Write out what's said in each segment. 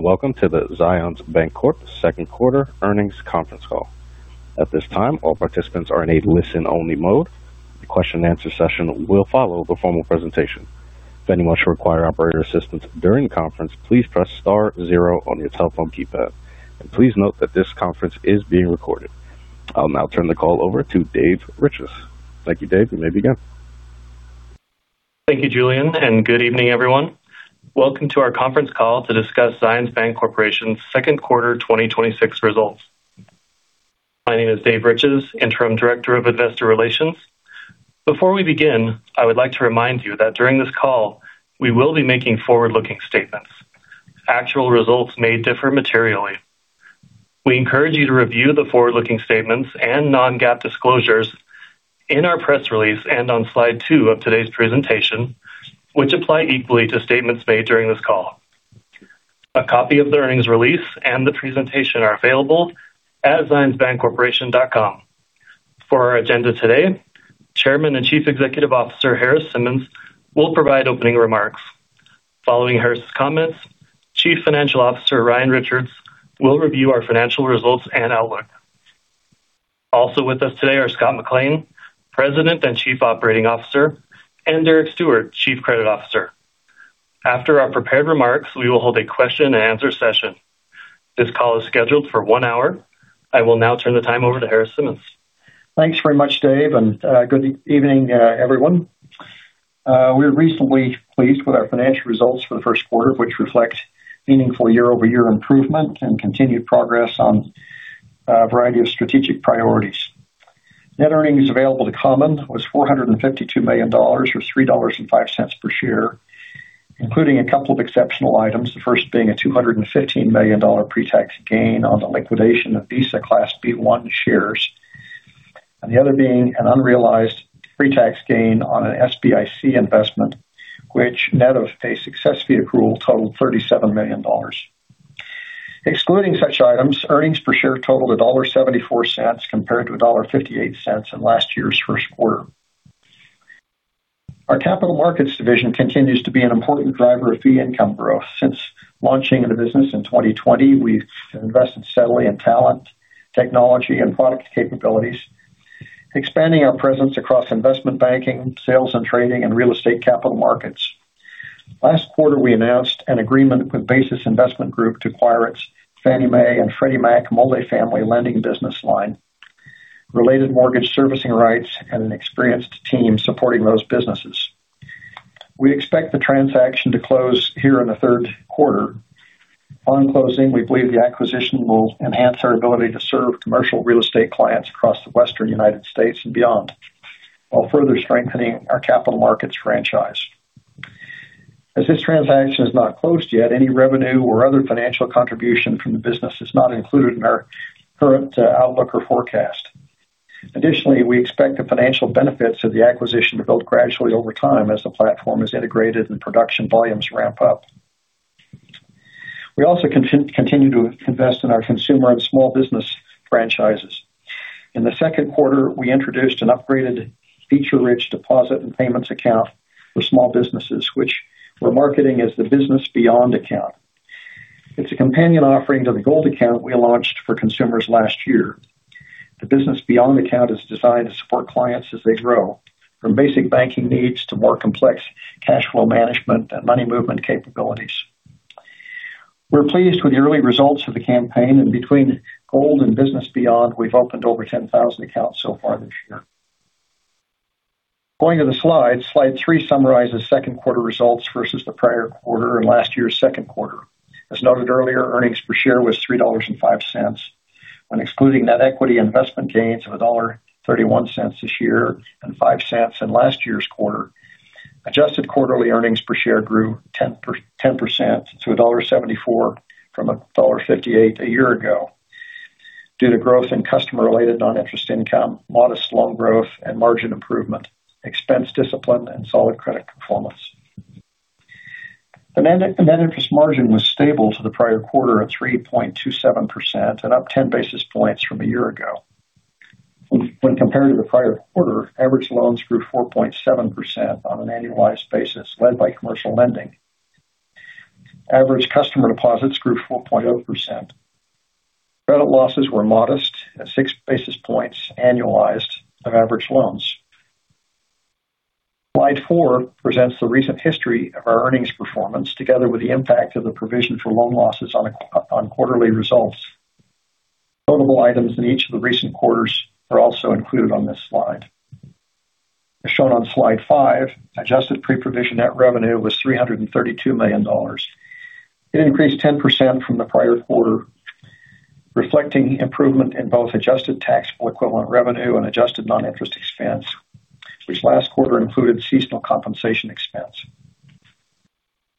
Welcome to the Zions Bancorporation second quarter earnings conference call. At this time, all participants are in a listen-only mode. A question and answer session will follow the formal presentation. If anyone should require operator assistance during the conference, please press star zero on your telephone keypad. Please note that this conference is being recorded. I'll now turn the call over to Dave Riches. Thank you, Dave. You may begin. Thank you, Julian. Good evening, everyone. Welcome to our conference call to discuss Zions Bancorporation's second quarter 2026 results. My name is Dave Riches, Interim Director of Investor Relations. Before we begin, I would like to remind you that during this call, we will be making forward-looking statements. Actual results may differ materially. We encourage you to review the forward-looking statements and non-GAAP disclosures in our press release and on slide two of today's presentation, which apply equally to statements made during this call. A copy of the earnings release and the presentation are available at zionsbancorporation.com. For our agenda today, Chairman and Chief Executive Officer Harris Simmons will provide opening remarks. Following Harris' comments, Chief Financial Officer Ryan Richards will review our financial results and outlook. Also with us today are Scott McLean, President and Chief Operating Officer, and Derek Steward, Chief Credit Officer. After our prepared remarks, we will hold a question and answer session. This call is scheduled for one hour. I will now turn the time over to Harris Simmons. Thanks very much, Dave. Good evening, everyone. We're reasonably pleased with our financial results for the first quarter, which reflect meaningful year-over-year improvement and continued progress on a variety of strategic priorities. Net earnings available to common was $452 million, or $3.05 per share, including a couple of exceptional items, the first being a $215 million pre-tax gain on the liquidation of Visa Class B-1 shares, and the other being an unrealized pre-tax gain on an SBIC investment, which net of a success fee accrual totaled $37 million. Excluding such items, earnings per share totaled $1.74 compared to $1.58 in last year's first quarter. Our capital markets division continues to be an important driver of fee income growth. Since launching the business in 2020, we've invested steadily in talent, technology, and product capabilities, expanding our presence across investment banking, sales and trading, and real estate capital markets. Last quarter, we announced an agreement with Basis Investment Group to acquire its Fannie Mae and Freddie Mac multifamily lending business line, related mortgage servicing rights, and an experienced team supporting those businesses. We expect the transaction to close here in the third quarter. Upon closing, we believe the acquisition will enhance our ability to serve commercial real estate clients across the Western U.S. and beyond while further strengthening our capital markets franchise. As this transaction is not closed yet, any revenue or other financial contribution from the business is not included in our current outlook or forecast. Additionally, we expect the financial benefits of the acquisition to build gradually over time as the platform is integrated and production volumes ramp up. We also continue to invest in our consumer and small business franchises. In the second quarter, we introduced an upgraded feature-rich deposit and payments account for small businesses, which we're marketing as the Business Beyond Account. It's a companion offering to the Gold Account we launched for consumers last year. The Business Beyond Account is designed to support clients as they grow, from basic banking needs to more complex cash flow management and money movement capabilities. We're pleased with the early results of the campaign, and between Gold and Business Beyond, we've opened over 10,000 accounts so far this year. Going to the slides, slide three summarizes second quarter results versus the prior quarter and last year's second quarter. As noted earlier, earnings per share was $3.05. When excluding net equity investment gains of $1.31 this year and $0.05 in last year's quarter, adjusted quarterly earnings per share grew 10% to $1.74 from $1.58 a year ago due to growth in customer-related non-interest income, modest loan growth and margin improvement, expense discipline, and solid credit performance. The net interest margin was stable to the prior quarter at 3.27% and up 10 basis points from a year ago. When compared to the prior quarter, average loans grew 4.7% on an annualized basis, led by commercial lending. Average customer deposits grew 4.0%. Credit losses were modest at six basis points annualized of average loans. Slide four presents the recent history of our earnings performance together with the impact of the provision for loan losses on quarterly results. Total items in each of the recent quarters are also included on this slide. As shown on slide five, adjusted pre-provision net revenue was $332 million. It increased 10% from the prior quarter, reflecting improvement in both adjusted taxable equivalent revenue and adjusted non-interest expense, which last quarter included seasonal compensation expense.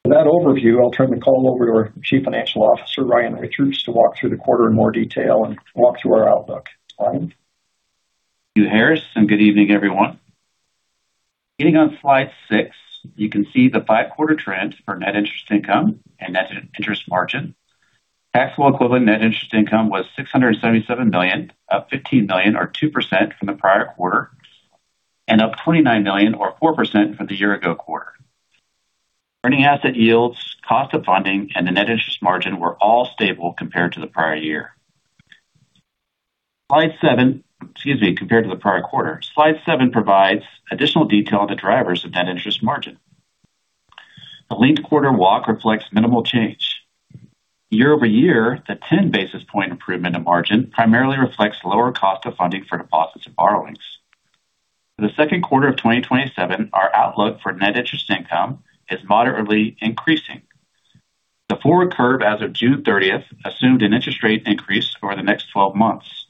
For that overview, I'll turn the call over to our Chief Financial Officer, Ryan Richards, to walk through the quarter in more detail and walk through our outlook. Ryan? Thank you, Harris, and good evening, everyone. Beginning on slide six, you can see the five-quarter trend for net interest income and net interest margin. Taxable equivalent net interest income was $677 million, up $15 million or 2% from the prior quarter. Up $29 million or 4% from the year-ago quarter. Earning asset yields, cost of funding, and the net interest margin were all stable compared to the prior year. Excuse me, compared to the prior quarter. Slide seven provides additional detail on the drivers of net interest margin. The linked quarter walk reflects minimal change. Year-over-year, the 10 basis point improvement in margin primarily reflects lower cost of funding for deposits and borrowings. For the second quarter of 2027, our outlook for net interest income is moderately increasing. The forward curve as of June 30th assumed an interest rate increase over the next 12 months.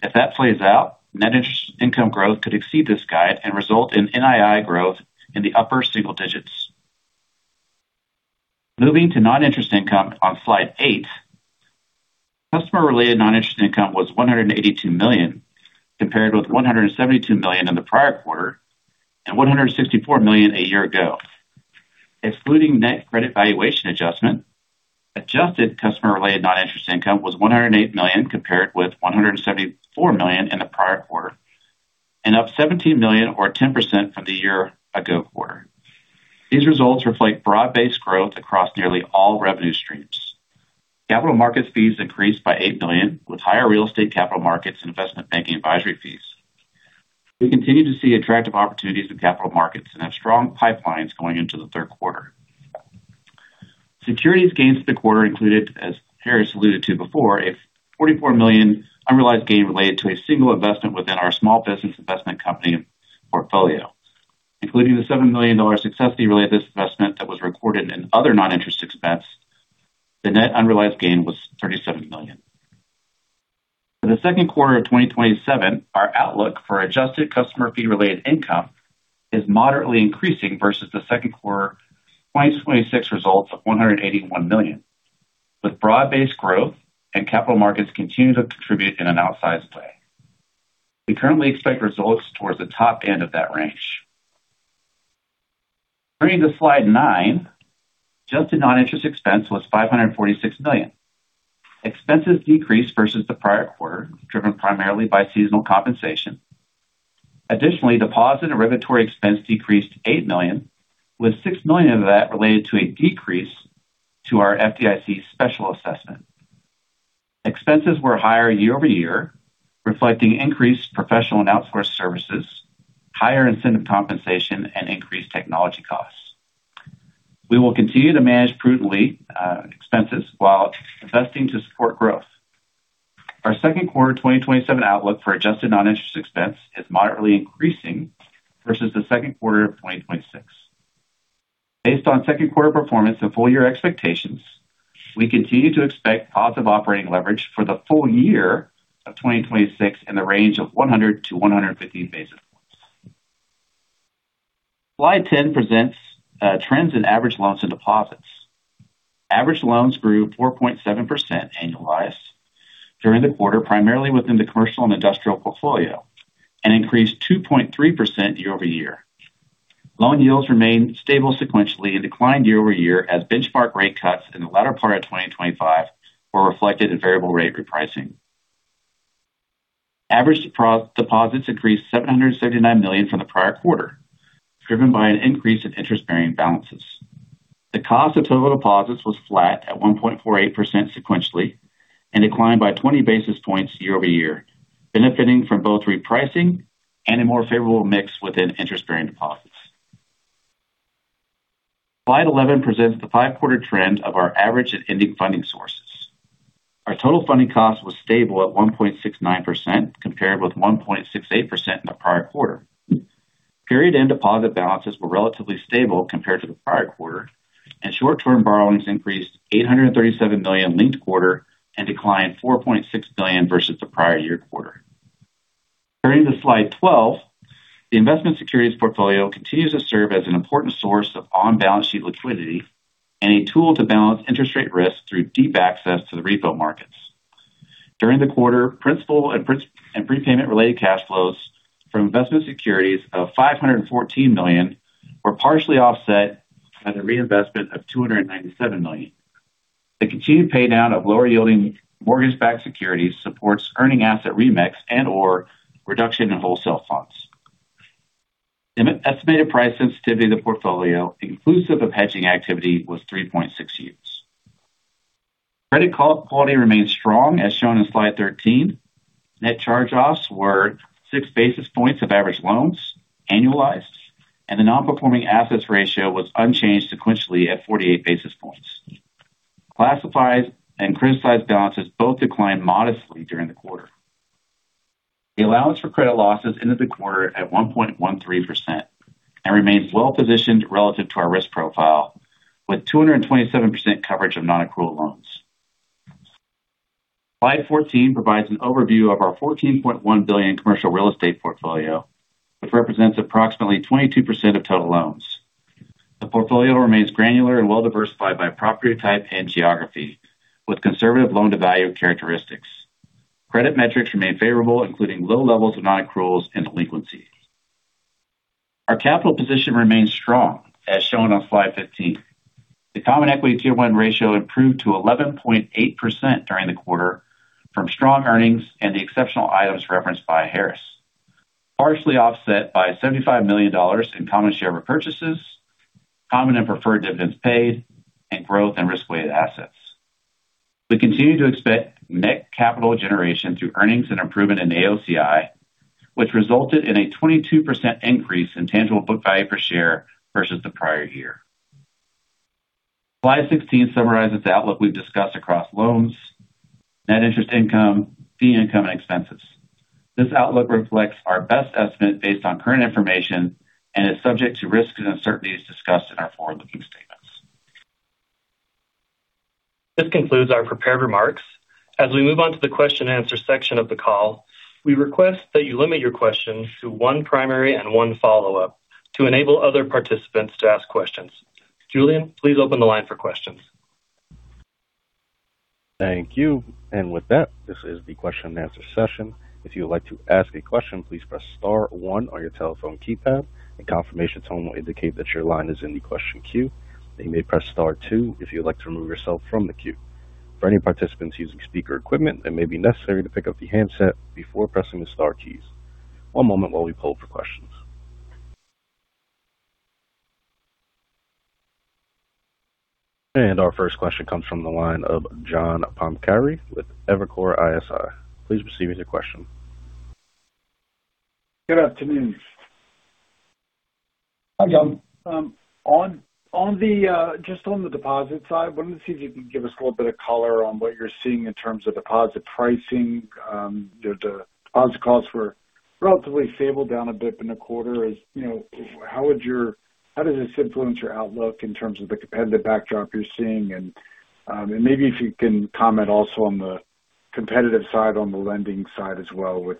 If that plays out, net interest income growth could exceed this guide and result in NII growth in the upper single digits. Moving to non-interest income on slide eight. Customer-related non-interest income was $182 million, compared with $172 million in the prior quarter and $164 million a year-ago. Excluding net credit valuation adjustment, adjusted customer-related non-interest income was $108 million, compared with $174 million in the prior quarter, and up $17 million or 10% from the year-ago quarter. These results reflect broad-based growth across nearly all revenue streams. Capital markets fees increased by $8 million, with higher real estate capital markets investment banking advisory fees. We continue to see attractive opportunities in capital markets and have strong pipelines going into the third quarter. Securities gains for the quarter included, as Harris alluded to before, a $44 million unrealized gain related to a single investment within our small business investment company portfolio. Including the $7 million success fee related to this investment that was recorded in other non-interest expense, the net unrealized gain was $37 million. For the second quarter of 2027, our outlook for adjusted customer fee-related income is moderately increasing versus the second quarter 2026 results of $181 million, with broad-based growth and capital markets continuing to contribute in an outsized way. We currently expect results towards the top end of that range. Turning to slide nine, adjusted non-interest expense was $546 million. Expenses decreased versus the prior quarter, driven primarily by seasonal compensation. Additionally, deposit and regulatory expense decreased to $8 million, with $6 million of that related to a decrease to our FDIC special assessment. Expenses were higher year-over-year, reflecting increased professional and outsourced services, higher incentive compensation, and increased technology costs. We will continue to manage prudently expenses while investing to support growth. Our second quarter 2027 outlook for adjusted non-interest expense is moderately increasing versus the second quarter of 2026. Based on second quarter performance and full year expectations, we continue to expect positive operating leverage for the full year of 2026 in the range of 100-150 basis points. Slide ten presents trends in average loans and deposits. Average loans grew 4.7% annualized during the quarter, primarily within the commercial and industrial portfolio, and increased 2.3% year-over-year. Loan yields remained stable sequentially and declined year-over-year as benchmark rate cuts in the latter part of 2025 were reflected in variable rate repricing. Average deposits increased $779 million from the prior quarter, driven by an increase in interest-bearing balances. The cost of total deposits was flat at 1.48% sequentially and declined by 20 basis points year-over-year, benefiting from both repricing and a more favorable mix within interest-bearing deposits. Slide 11 presents the five-quarter trend of our average and ending funding sources. Our total funding cost was stable at 1.69%, compared with 1.68% in the prior quarter. Period-end deposit balances were relatively stable compared to the prior quarter, and short-term borrowings increased $837 million linked quarter and declined $4.6 billion versus the prior year quarter. Turning to slide 12, the investment securities portfolio continues to serve as an important source of on-balance sheet liquidity and a tool to balance interest rate risk through deep access to the repo markets. During the quarter, principal and prepayment-related cash flows from investment securities of $514 million were partially offset by the reinvestment of $297 million. The continued paydown of lower-yielding mortgage-backed securities supports earning asset remix and/or reduction in wholesale funds. The estimated price sensitivity of the portfolio, inclusive of hedging activity, was 3.6 years. Credit quality remains strong as shown in slide 13. Net charge-offs were six basis points of average loans annualized, and the non-performing assets ratio was unchanged sequentially at 48 basis points. Classified and criticized balances both declined modestly during the quarter. The allowance for credit losses ended the quarter at 1.13% and remains well-positioned relative to our risk profile, with 227% coverage of non-accrual loans. Slide 14 provides an overview of our $14.1 billion commercial real estate portfolio, which represents approximately 22% of total loans. The portfolio remains granular and well-diversified by property type and geography, with conservative loan-to-value characteristics. Credit metrics remain favorable, including low levels of non-accruals and delinquencies. Our capital position remains strong as shown on slide 15. The common equity Tier 1 ratio improved to 11.8% during the quarter from strong earnings and the exceptional items referenced by Harris. Partially offset by $75 million in common share repurchases, common and preferred dividends paid, and growth in risk-weighted assets. We continue to expect net capital generation through earnings and improvement in AOCI, which resulted in a 22% increase in tangible book value per share versus the prior year. Slide 16 summarizes the outlook we've discussed across loans, net interest income, fee income, and expenses. This outlook reflects our best estimate based on current information and is subject to risks and uncertainties discussed in our forward-looking statements. This concludes our prepared remarks. As we move on to the question and answer section of the call, we request that you limit your questions to one primary and one follow-up to enable other participants to ask questions. Julian, please open the line for questions. Thank you. With that, this is the question and answer session. If you would like to ask a question, please press star one on your telephone keypad. A confirmation tone will indicate that your line is in the question queue. You may press star two if you would like to remove yourself from the queue. For any participants using speaker equipment, it may be necessary to pick up the handset before pressing the star keys. One moment while we poll for questions. Our first question comes from the line of John Pancari with Evercore ISI. Please proceed with your question. Good afternoon. Hi, John. Just on the deposit side, wanted to see if you can give us a little bit of color on what you're seeing in terms of deposit pricing. The deposit costs were relatively stable, down a bit in the quarter. How does this influence your outlook in terms of the competitive backdrop you're seeing? Maybe if you can comment also on the competitive side, on the lending side as well with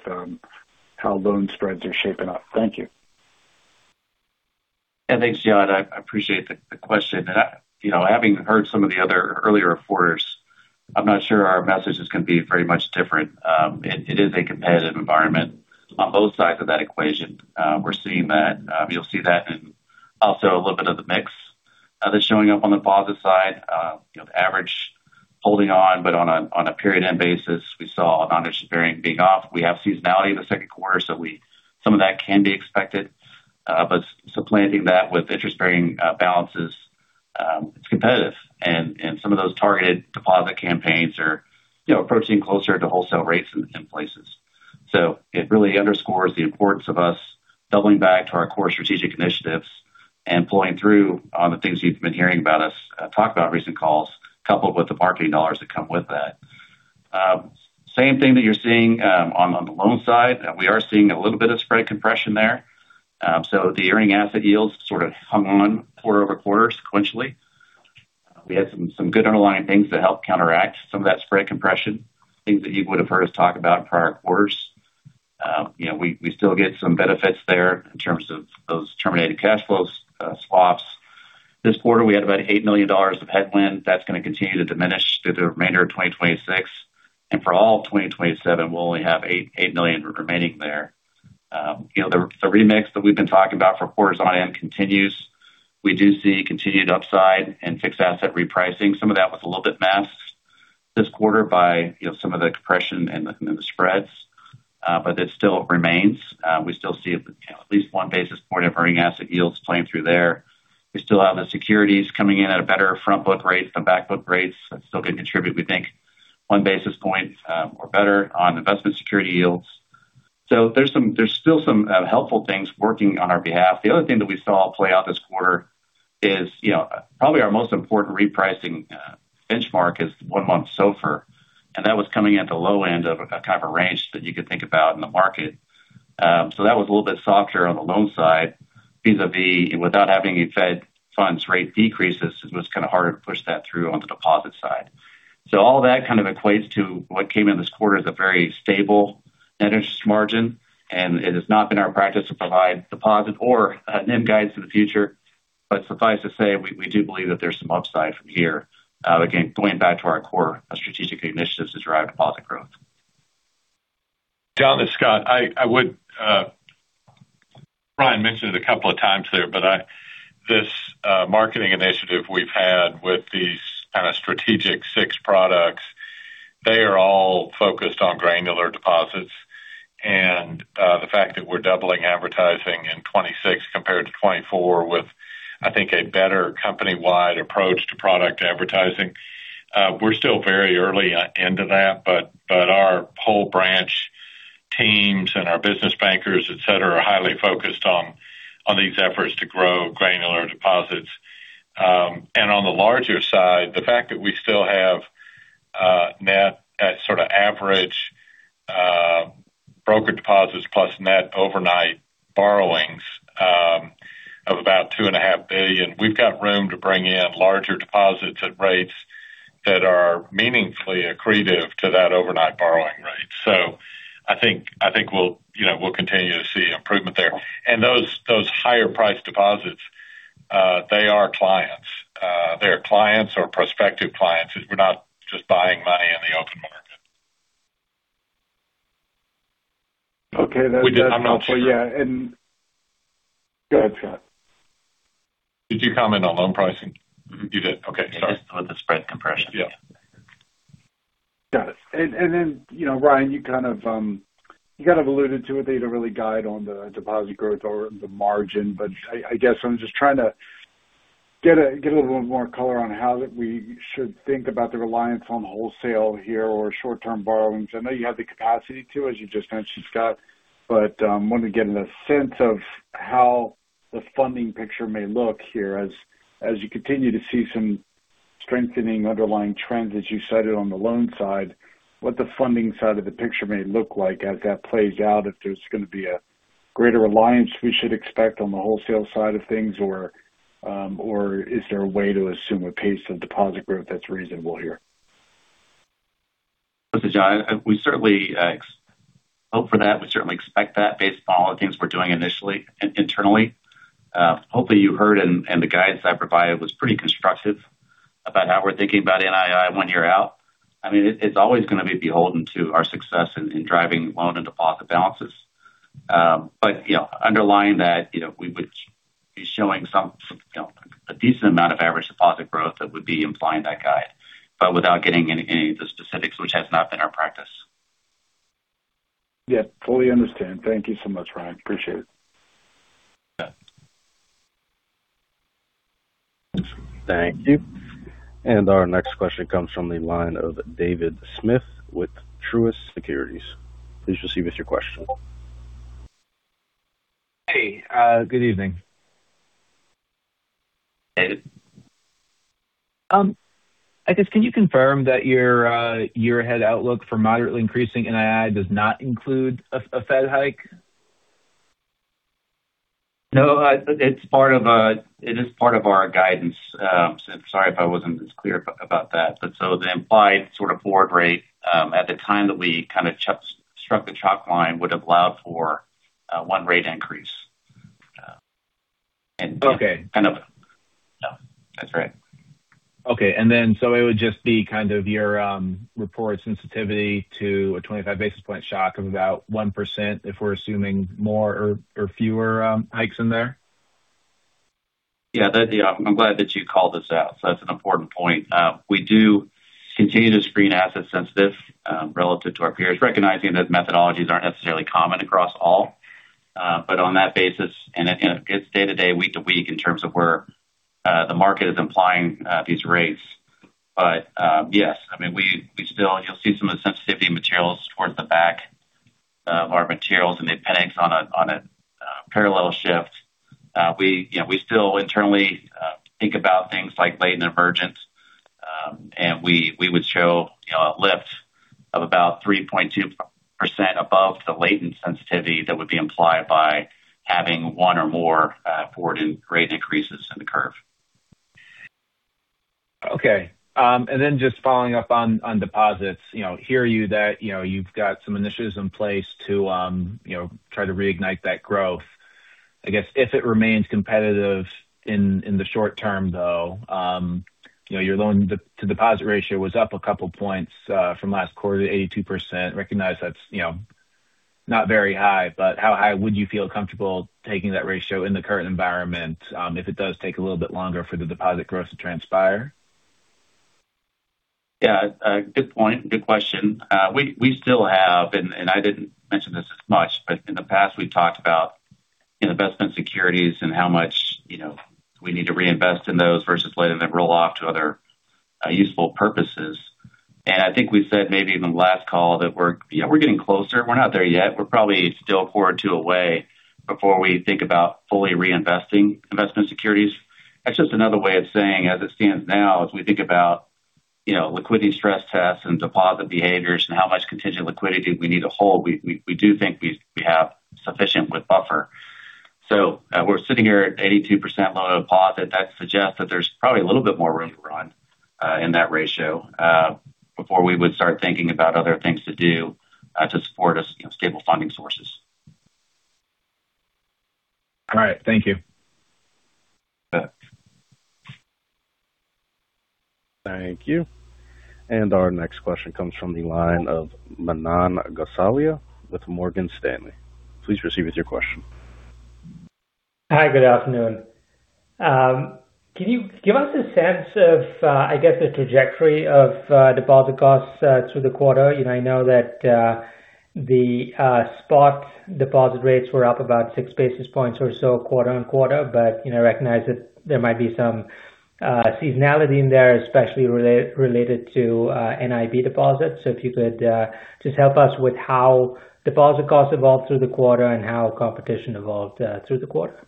how loan spreads are shaping up. Thank you. Thanks, John. I appreciate the question. Having heard some of the other earlier reporters, I'm not sure our message is going to be very much different. It is a competitive environment on both sides of that equation. We're seeing that. You'll see that in also a little bit of the mix that's showing up on the deposit side. The average holding on, but on a period end basis, we saw a non-interest bearing being off. We have seasonality in the second quarter. Some of that can be expected. Supplanting that with interest-bearing balances, it's competitive. Some of those targeted deposit campaigns are approaching closer to wholesale rates in places. It really underscores the importance of us doubling back to our core strategic initiatives and pulling through on the things you've been hearing about us talk about recent calls, coupled with the marketing dollars that come with that. Same thing that you're seeing on the loan side. We are seeing a little bit of spread compression there. The earning asset yields sort of hung on quarter-over-quarter sequentially. We had some good underlying things that helped counteract some of that spread compression, things that you would have heard us talk about in prior quarters. We still get some benefits there in terms of those terminated cash flows swaps. This quarter, we had about $8 million of headwind. That's going to continue to diminish through the remainder of 2026. For all of 2027, we'll only have $8 million remaining there. The remix that we've been talking about for quarters on end continues. We do see continued upside in fixed asset repricing. Some of that was a little bit masked this quarter by some of the compression in the spreads. It still remains. We still see at least one basis point of earning asset yields playing through there. We still have the securities coming in at a better front book rate than back book rates. That's still going to contribute, we think one basis point or better on investment security yields. There's still some helpful things working on our behalf. The other thing that we saw play out this quarter is probably our most important repricing benchmark is one-month SOFR. That was coming at the low end of a kind of a range that you could think about in the market. That was a little bit softer on the loan side vis-a-vis without having any Fed funds rate decreases, it was kind of hard to push that through on the deposit side. All that kind of equates to what came in this quarter as a very stable net interest margin. It has not been our practice to provide deposit or NIM guidance in the future. Suffice to say, we do believe that there's some upside from here. Again, going back to our core strategic initiatives to drive deposit growth. John, it's Scott. Ryan mentioned it a couple of times there, but this marketing initiative we've had with these kind of strategic six products, they are all focused on granular deposits. The fact that we're doubling advertising in 2026 compared to 2024 with, I think, a better company-wide approach to product advertising. We're still very early into that, our whole branch teams and our business bankers, et cetera, are highly focused on these efforts to grow granular deposits. On the larger side, the fact that we still have net at sort of average broker deposits plus net overnight borrowings of about $2.5 billion, we've got room to bring in larger deposits at rates that are meaningfully accretive to that overnight borrowing rate. I think we'll continue to see improvement there. Those higher priced deposits, they are clients Effective clients is we're not just buying money in the open market. Okay. I'm not sure. Yeah. Go ahead, Scott. Did you comment on loan pricing? You did. Okay, sorry. On the spread compression. Yeah. Got it. Ryan, you kind of alluded to it that you don't really guide on the deposit growth or the margin, but I guess I'm just trying to get a little more color on how we should think about the reliance on wholesale here or short-term borrowings. I know you have the capacity to, as you just mentioned, Scott, but I wanted to get a sense of how the funding picture may look here as you continue to see some strengthening underlying trends, as you said it on the loan side, what the funding side of the picture may look like as that plays out. If there's going to be a greater reliance we should expect on the wholesale side of things or is there a way to assume a pace of deposit growth that's reasonable here? Listen, John, we certainly hope for that. We certainly expect that based on all the things we're doing initially, internally. Hopefully, you heard and the guidance I provided was pretty constructive about how we're thinking about NII one year out. It's always going to be beholden to our success in driving loan and deposit balances. Underlying that, we would be showing a decent amount of average deposit growth that would be implying that guide. Without getting into any of the specifics, which has not been our practice. Yeah, fully understand. Thank you so much, Ryan. Appreciate it. Yeah. Thank you. Our next question comes from the line of David Smith with Truist Securities. Please proceed with your question. Hey, good evening. Hey. I guess, can you confirm that your year ahead outlook for moderately increasing NII does not include a Fed hike? No, it is part of our guidance. Sorry if I wasn't as clear about that. The implied sort of forward rate, at the time that we kind of struck the chalk line, would have allowed for one rate increase. Okay. That's right. Okay. It would just be kind of your report sensitivity to a 25 basis point shock of about 1%, if we're assuming more or fewer hikes in there? Yeah. I'm glad that you called this out. That's an important point. We do continue to screen asset sensitive relative to our peers, recognizing that methodologies aren't necessarily common across all. On that basis, and it's day to day, week to week in terms of where the market is implying these rates. Yes, you'll see some of the sensitivity materials towards the back of our materials in the appendix on a parallel shift. We still internally think about things like latent emergence. We would show a lift of about 3.2% above the latent sensitivity that would be implied by having one or more forward rate increases in the curve. Okay. Just following up on deposits. Hear you that you've got some initiatives in place to try to reignite that growth. I guess, if it remains competitive in the short term, though, your loan-to-deposit ratio was up a couple of points from last quarter to 82%. Recognize that's not very high, but how high would you feel comfortable taking that ratio in the current environment if it does take a little bit longer for the deposit growth to transpire? Yeah. Good point. Good question. We still have, I didn't mention this as much, but in the past, we've talked about investment securities and how much we need to reinvest in those versus letting them roll off to other useful purposes. I think we said maybe even last call that we're getting closer. We're not there yet. We're probably still a quarter or two away before we think about fully reinvesting investment securities. That's just another way of saying, as it stands now, as we think about liquidity stress tests and deposit behaviors and how much contingent liquidity we need to hold, we do think we have sufficient with buffer. We're sitting here at 82% loan deposit. That suggests that there's probably a little bit more room to run in that ratio before we would start thinking about other things to do to support our stable funding sources. All right. Thank you. Yeah. Thank you. Our next question comes from the line of Manan Gosalia with Morgan Stanley. Please proceed with your question. Hi, good afternoon. Can you give us a sense of, I guess, the trajectory of deposit costs through the quarter? I know that the spot deposit rates were up about six basis points or so quarter-on-quarter, but I recognize that there might be some seasonality in there, especially related to NIB deposits. If you could just help us with how deposit costs evolved through the quarter and how competition evolved through the quarter.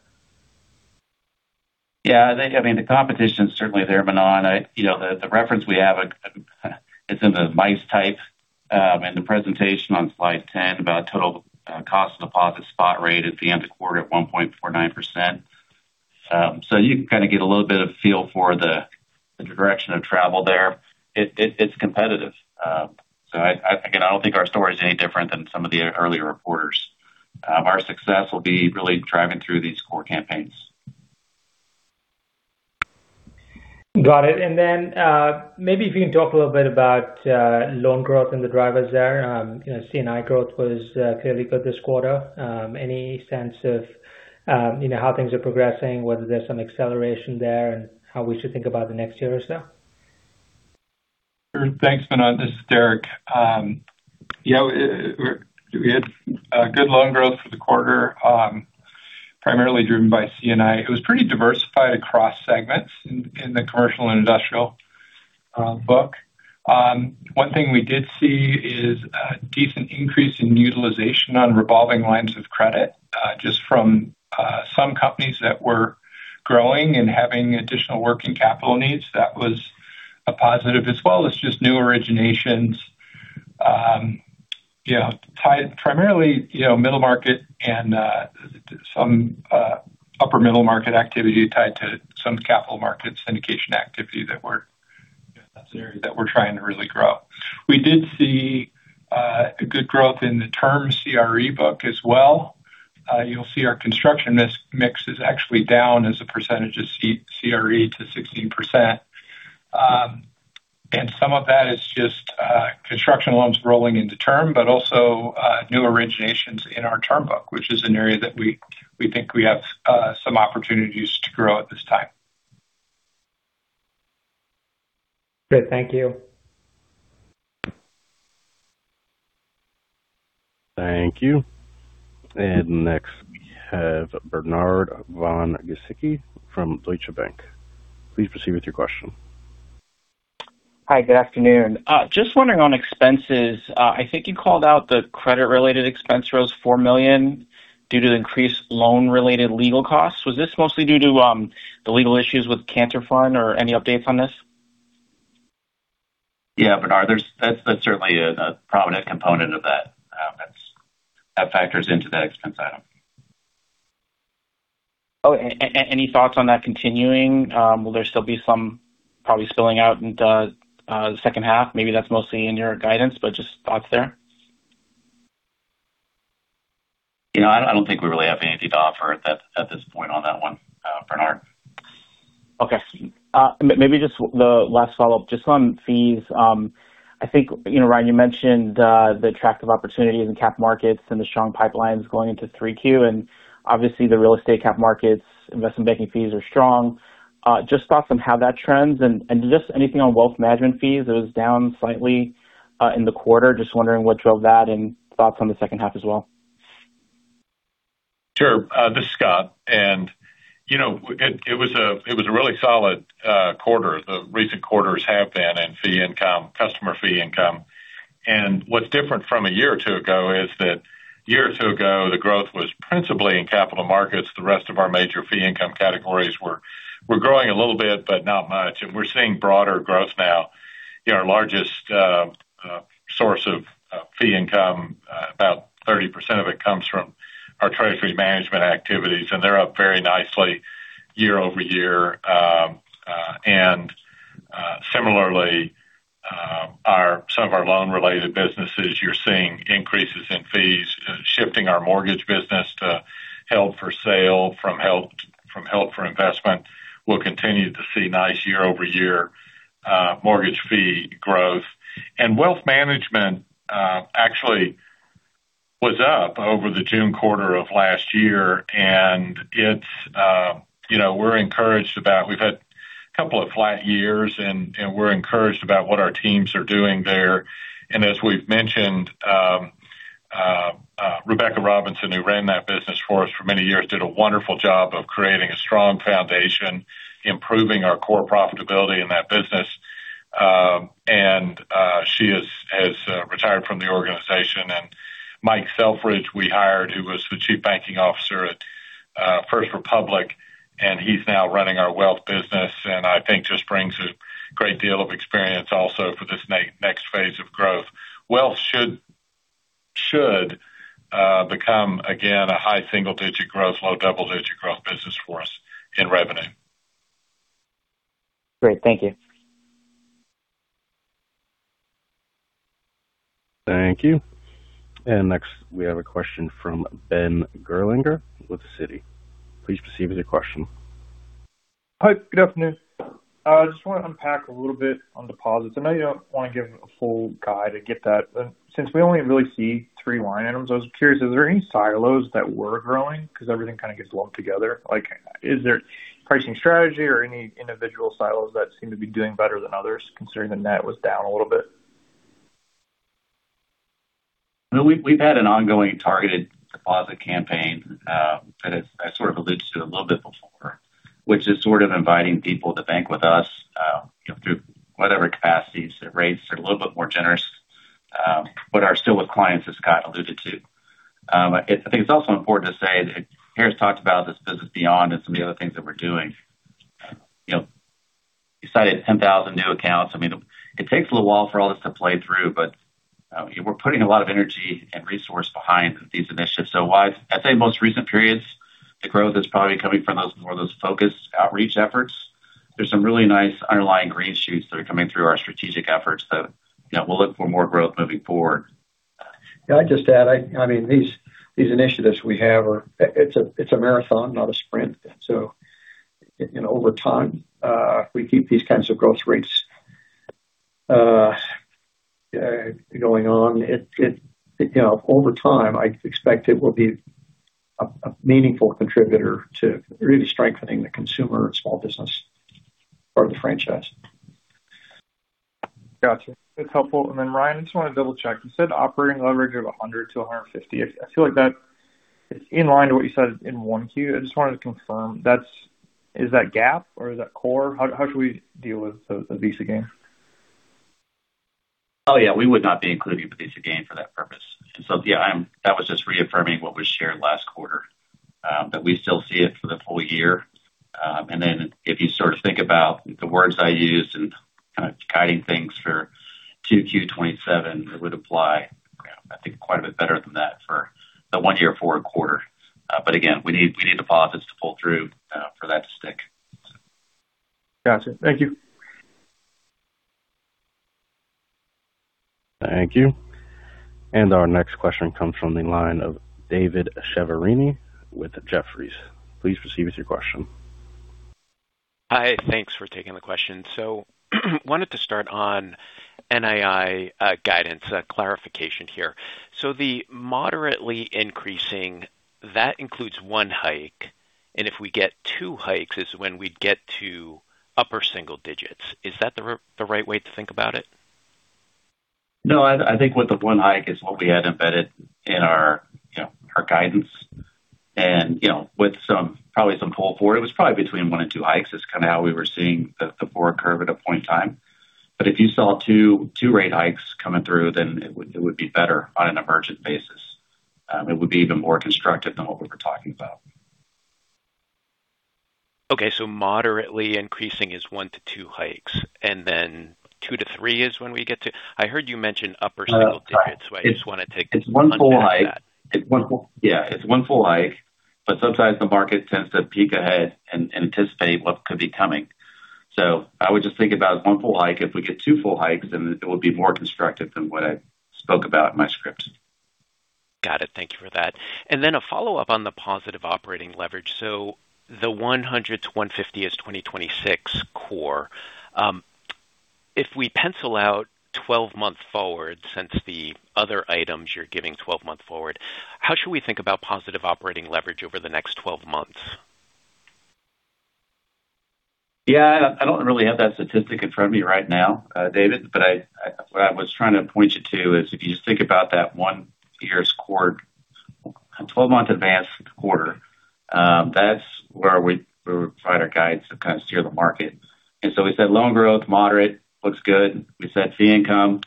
Yeah. I think the competition's certainly there, Manan. The reference we have it's in the mice type in the presentation on slide 10 about total cost of deposit spot rate at the end of quarter at 1.49%. You can kind of get a little bit of feel for the direction of travel there. It's competitive. Again, I don't think our story is any different than some of the earlier reporters. Our success will be really driving through these core campaigns. Got it. Maybe if you can talk a little bit about loan growth and the drivers there. C&I growth was clearly good this quarter. Any sense of how things are progressing, whether there's some acceleration there, and how we should think about the next year or so? Sure. Thanks, Manan. This is Derek. We had a good loan growth for the quarter, primarily driven by C&I. It was pretty diversified across segments in the commercial and industrial book. One thing we did see is a decent increase in utilization on revolving lines of credit just from some companies that were growing and having additional working capital needs. That was a positive as well as just new originations. Primarily, middle market and some upper middle market activity tied to some capital markets syndication activity that we're trying to really grow. We did see a good growth in the term CRE book as well. You'll see our construction mix is actually down as a percentage of CRE to 16%. Some of that is just construction loans rolling into term, but also new originations in our term book, which is an area that we think we have some opportunities to grow at this time. Great. Thank you. Thank you. Next we have Bernard von Gizycki from Deutsche Bank. Please proceed with your question. Hi, good afternoon. Just wondering on expenses. I think you called out the credit related expense rose $4 million due to increased loan related legal costs. Was this mostly due to the legal issues with Cantor fund or any updates on this? Yeah. Bernard, that's certainly a prominent component of that. That factors into that expense item. Okay. Any thoughts on that continuing? Will there still be some probably spilling out into the second half? Maybe that's mostly in your guidance, just thoughts there. I don't think we really have anything to offer at this point on that one, Bernard. Okay. Maybe just the last follow-up, just on fees. Ryan, you mentioned the attractive opportunities in cap markets and the strong pipelines going into three Q, obviously the real estate cap markets investment banking fees are strong. Just thoughts on how that trends and just anything on Wealth Management fees. It was down slightly in the quarter. Just wondering what drove that and thoughts on the second half as well. Sure. This is Scott. It was a really solid quarter. The recent quarters have been in fee income, customer fee income. What's different from a year or two ago is that year or two ago the growth was principally in capital markets. The rest of our major fee income categories were growing a little bit, but not much. We're seeing broader growth now. Our largest source of fee income, about 30% of it comes from our treasury management activities, and they're up very nicely year-over-year. Similarly some of our loan related businesses, you're seeing increases in fees, shifting our mortgage business to held for sale from held for investment. We'll continue to see nice year-over-year mortgage fee growth. Wealth Management actually was up over the June quarter of last year. We've had a couple of flat years, and we're encouraged about what our teams are doing there. As we've mentioned, Rebecca Robinson, who ran that business for us for many years, did a wonderful job of creating a strong foundation, improving our core profitability in that business. She has retired from the organization. Mike Selfridge, we hired, who was the Chief Banking Officer at First Republic, he's now running our Wealth business and I think just brings a great deal of experience also for this next phase of growth. Wealth should become again a high single-digit growth, low double-digit growth business for us in revenue. Great. Thank you. Thank you. Next we have a question from Ben Gerlinger with Citi. Please proceed with your question. Hi, good afternoon. I just want to unpack a little bit on deposits. I know you don't want to give a full guide. Since we only really see three line items, I was curious, is there any silos that were growing because everything kind of gets lumped together? Is there pricing strategy or any individual silos that seem to be doing better than others, considering the net was down a little bit? We've had an ongoing targeted deposit campaign that I sort of alluded to a little bit before. Which is sort of inviting people to bank with us through whatever capacities. The rates are a little bit more generous but are still with clients, as Scott alluded to. I think it's also important to say that Harris talked about this Business Beyond and some of the other things that we're doing. He cited 10,000 new accounts. It takes a little while for all this to play through, but we're putting a lot of energy and resource behind these initiatives. While I'd say most recent periods, the growth is probably coming from more of those focused outreach efforts. There's some really nice underlying green shoots that are coming through our strategic efforts, so we'll look for more growth moving forward. Yeah, I'd just add, these initiatives we have are it's a marathon, not a sprint. Over time, if we keep these kinds of growth rates going on, over time, I expect it will be a meaningful contributor to really strengthening the consumer and small business part of the franchise. Got you. That's helpful. Ryan, I just want to double-check. You said operating leverage of 100-150. I feel like that is in line to what you said in 1Q. I just wanted to confirm. Is that GAAP or is that core? How should we deal with the Visa gain? Oh, yeah, we would not be including the Visa gain for that purpose. Yeah, that was just reaffirming what was shared last quarter. That we still see it for the full year. If you think about the words I used and kind of guiding things for 2Q 2027, it would apply, I think, quite a bit better than that for the one year forward quarter. Again, we need deposits to pull through for that to stick. Got you. Thank you. Thank you. Our next question comes from the line of David Chiaverini with Jefferies. Please proceed with your question. Hi. Thanks for taking the question. Wanted to start on NII guidance clarification here. The moderately increasing, that includes one hike, and if we get two hikes is when we'd get to upper single digits. Is that the right way to think about it? No, I think with the one hike is what we had embedded in our guidance and with probably some pull forward. It was probably between one and two hikes is kind of how we were seeing the forward curve at a point in time. If you saw two rate hikes coming through, then it would be better on an emergent basis. It would be even more constructive than what we were talking about. Okay. Moderately increasing is one to two hikes, then two to three is when we get to? I heard you mention upper single digits? I just want to It's one full hike. Yeah. It's one full hike, sometimes the market tends to peek ahead and anticipate what could be coming. I would just think about one full hike. If we get two full hikes, it will be more constructive than what I spoke about in my script. Got it. Thank you for that. A follow-up on the positive operating leverage. The 100-150 is 2026 core. If we pencil out 12 months forward, since the other items you're giving 12-month forward, how should we think about positive operating leverage over the next 12 months? Yeah, I don't really have that statistic in front of me right now, David. What I was trying to point you to is if you just think about that one year's quarter, a 12-month advance quarter, that's where we provide our guides to kind of steer the market. We said loan growth moderate, looks good. We said fee income.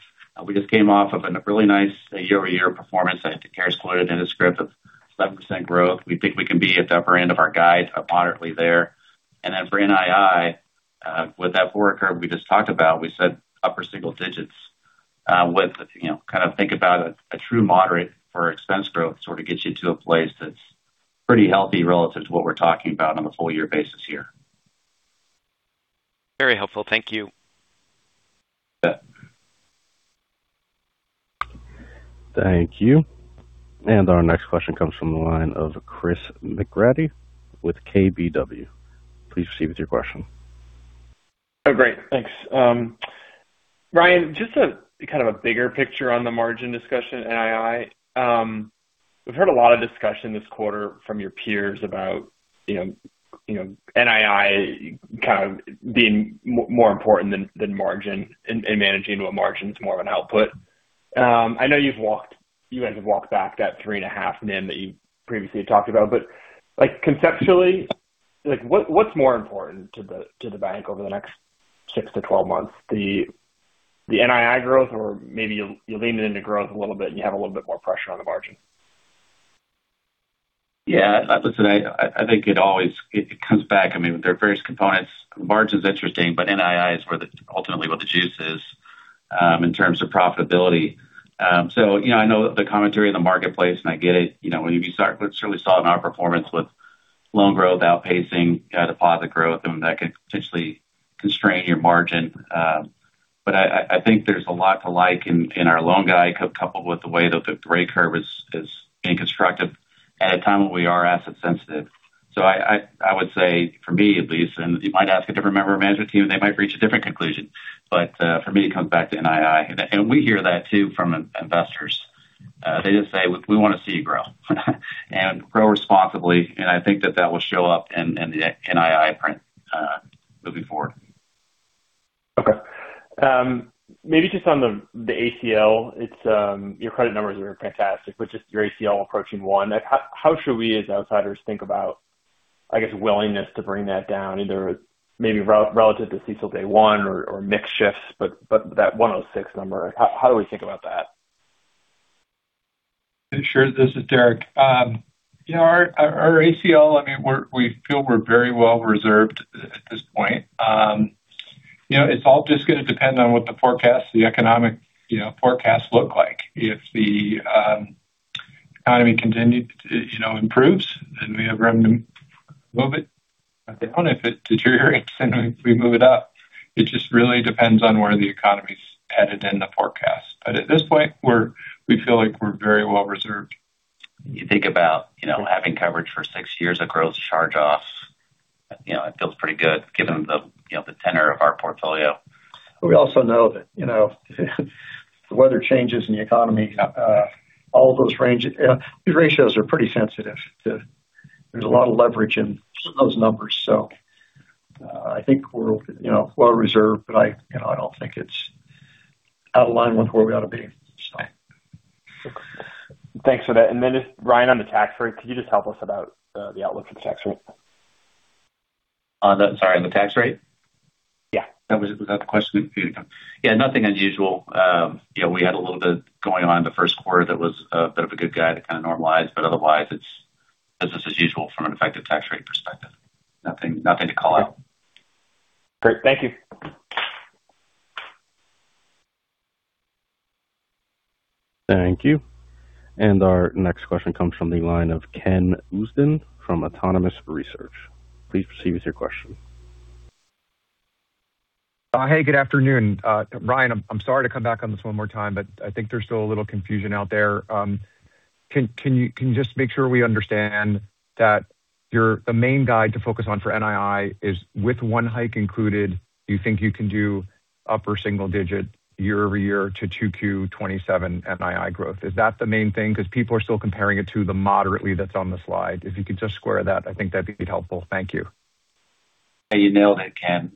We just came off of a really nice year-over-year performance. I think Harris' quoted in the script of 11% growth. We think we can be at the upper end of our guide, moderately there. For NII, with that forward curve we just talked about, we said upper single digits. Think about a true moderate for expense growth sort of gets you to a place that's pretty healthy relative to what we're talking about on a full year basis here. Very helpful. Thank you. Thank you. Our next question comes from the line of Chris McGratty with KBW. Please proceed with your question. Oh, great. Thanks. Ryan, just kind of a bigger picture on the margin discussion NII. We've heard a lot of discussion this quarter from your peers about NII kind of being more important than margin and managing to a margin is more of an output. I know you guys have walked back that 3.5 NIM that you previously talked about. Conceptually, what's more important to the bank over the next six to 12 months, the NII growth or maybe you lean it into growth a little bit and you have a little bit more pressure on the margin? Yeah. Listen, I think it always comes back. There are various components. Margin's interesting, NII is ultimately where the juice is in terms of profitability. I know the commentary in the marketplace, I get it. When you certainly saw in our performance with loan growth outpacing deposit growth, that could potentially constrain your margin. I think there's a lot to like in our loan guide, coupled with the way that the rate curve is being constructive at a time when we are asset sensitive. I would say for me at least, you might ask a different member of management team, they might reach a different conclusion. For me, it comes back to NII. We hear that too from investors. They just say, "We want to see you grow and grow responsibly." I think that that will show up in the NII print moving forward. Okay. Maybe just on the ACL. Your credit numbers are fantastic, but just your ACL approaching one. How should we, as outsiders, think about, I guess, willingness to bring that down, either maybe relative to CECL day one or mix shifts, but that 106 number. How do we think about that? Sure. This is Derek. Our ACL, we feel we're very well reserved at this point. It's all just going to depend on what the forecasts, the economic forecasts look like. If Economy continued improves, then we have room to move it down. If it deteriorates, then we move it up. It just really depends on where the economy's headed in the forecast. At this point, we feel like we're very well reserved. You think about having coverage for six years of gross charge-offs, it feels pretty good given the tenor of our portfolio. We also know that the weather changes in the economy. These ratios are pretty sensitive. There's a lot of leverage in those numbers. I think we're well reserved, but I don't think it's out of line with where we ought to be. Thanks for that. Just, Ryan, on the tax rate, could you just help us about the outlook for the tax rate? Sorry, on the tax rate? Yeah. Was that the question? Yeah, nothing unusual. We had a little bit going on in the first quarter that was a bit of a good guide to kind of normalize. Otherwise it's business as usual from an effective tax rate perspective. Nothing to call out. Great. Thank you. Thank you. Our next question comes from the line of Ken Usdin from Autonomous Research. Please proceed with your question. Hey, good afternoon. Ryan, I'm sorry to come back on this one more time, but I think there's still a little confusion out there. Can you just make sure we understand that the main guide to focus on for NII is with one hike included, you think you can do upper single digit year-over-year to 2Q 2027 NII growth? Is that the main thing? Because people are still comparing it to the moderately that's on the slide. If you could just square that, I think that would be helpful. Thank you. Yeah, you nailed it, Ken.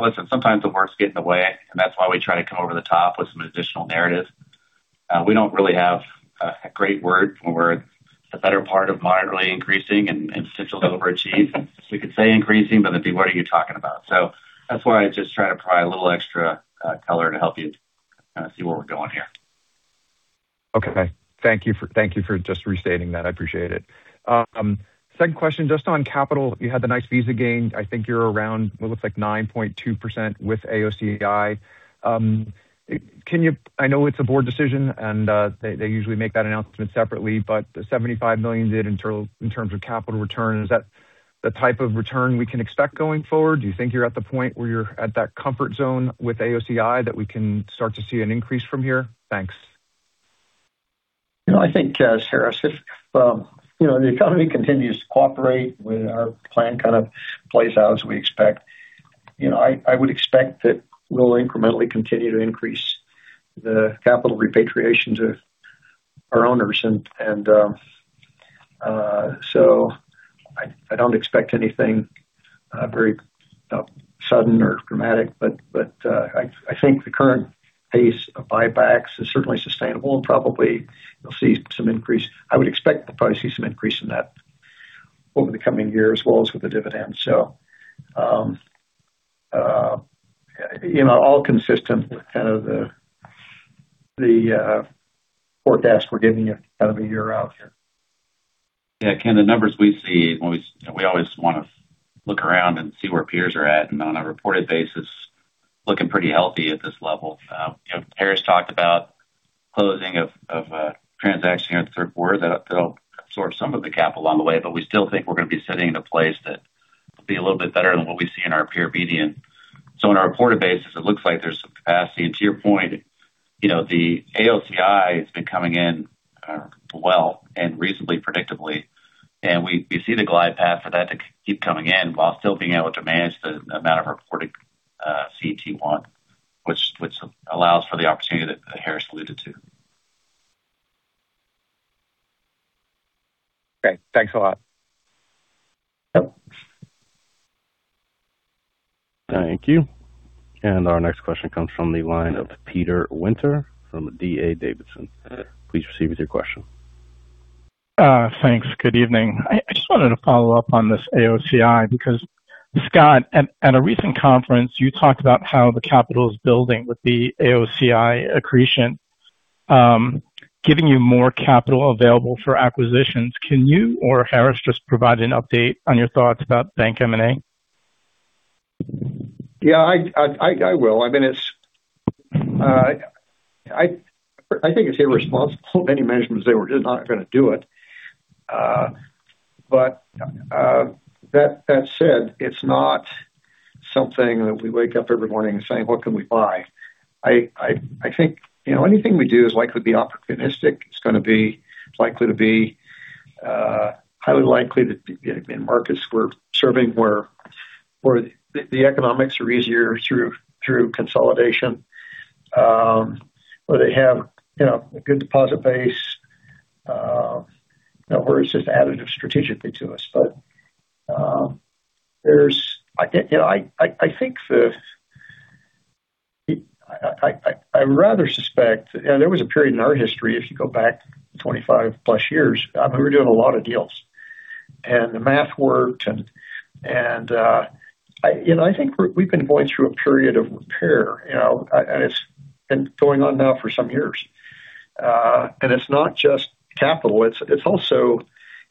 Listen, sometimes the words get in the way, and that's why we try to come over the top with some additional narrative. We don't really have a great word for the better part of moderately increasing and substantially overachieve. We could say increasing, but then people are, "What are you talking about?" That's why I just try to provide a little extra color to help you kind of see where we're going here. Okay. Thank you for just restating that. I appreciate it. Second question, just on capital. You had the nice Visa gain. I think you're around what looks like 9.2% with AOCI. I know it's a board decision, and they usually make that announcement separately, but $75 million in terms of capital return, is that the type of return we can expect going forward? Do you think you're at the point where you're at that comfort zone with AOCI that we can start to see an increase from here? Thanks. I think as Harris, if the economy continues to cooperate when our plan kind of plays out as we expect, I would expect that we'll incrementally continue to increase the capital repatriation to our owners. I don't expect anything very sudden or dramatic, but I think the current pace of buybacks is certainly sustainable and probably you'll see some increase. I would expect to probably see some increase in that over the coming year as well as with the dividends. All consistent with kind of the forecast we're giving you kind of a year out here. Yeah. Ken, the numbers we see when we always want to look around and see where peers are at and on a reported basis, looking pretty healthy at this level. Harris talked about closing of a transaction here at the third quarter. That'll absorb some of the capital on the way, but we still think we're going to be sitting in a place that will be a little bit better than what we see in our peer median. On a reported basis, it looks like there's some capacity. To your point, the AOCI has been coming in well and reasonably predictably, and we see the glide path for that to keep coming in while still being able to manage the amount of reported CET1 which allows for the opportunity that Harris alluded to. Okay. Thanks a lot. Yep. Thank you. Our next question comes from the line of Peter Winter from D.A. Davidson. Please proceed with your question. Thanks. Good evening. I just wanted to follow up on this AOCI because, Scott, at a recent conference, you talked about how the capital is building with the AOCI accretion, giving you more capital available for acquisitions. Can you or Harris just provide an update on your thoughts about bank M&A? Yeah. I will. I think it's irresponsible of any management to say we're just not going to do it. That said, it's not something that we wake up every morning saying, "What can we buy?" I think anything we do is likely to be opportunistic. It's going to be highly likely to be in markets we're serving where the economics are easier through consolidation where they have a good deposit base where it's just additive strategically to us. I would rather suspect. There was a period in our history if you go back 25 plus years, we were doing a lot of deals. The math worked, and I think we've been going through a period of repair, and it's been going on now for some years. It's not just capital.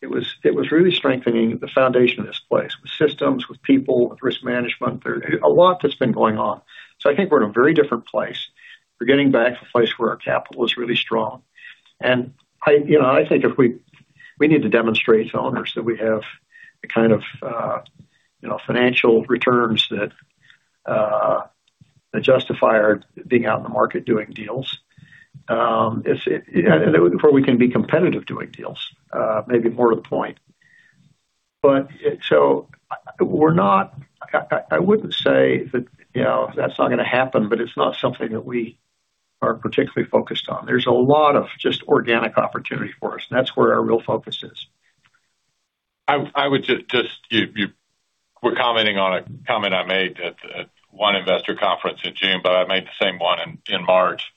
It was really strengthening the foundation of this place with systems, with people, with risk management. There's a lot that's been going on. I think we're in a very different place. We're getting back to a place where our capital is really strong. We need to demonstrate to owners that we have the kind of financial returns that justify our being out in the market doing deals before we can be competitive doing deals, maybe more to the point. We're not. I wouldn't say that that's not going to happen, but it's not something that we are particularly focused on. There's a lot of just organic opportunity for us, and that's where our real focus is. You were commenting on a comment I made at one investor conference in June, but I made the same one in March,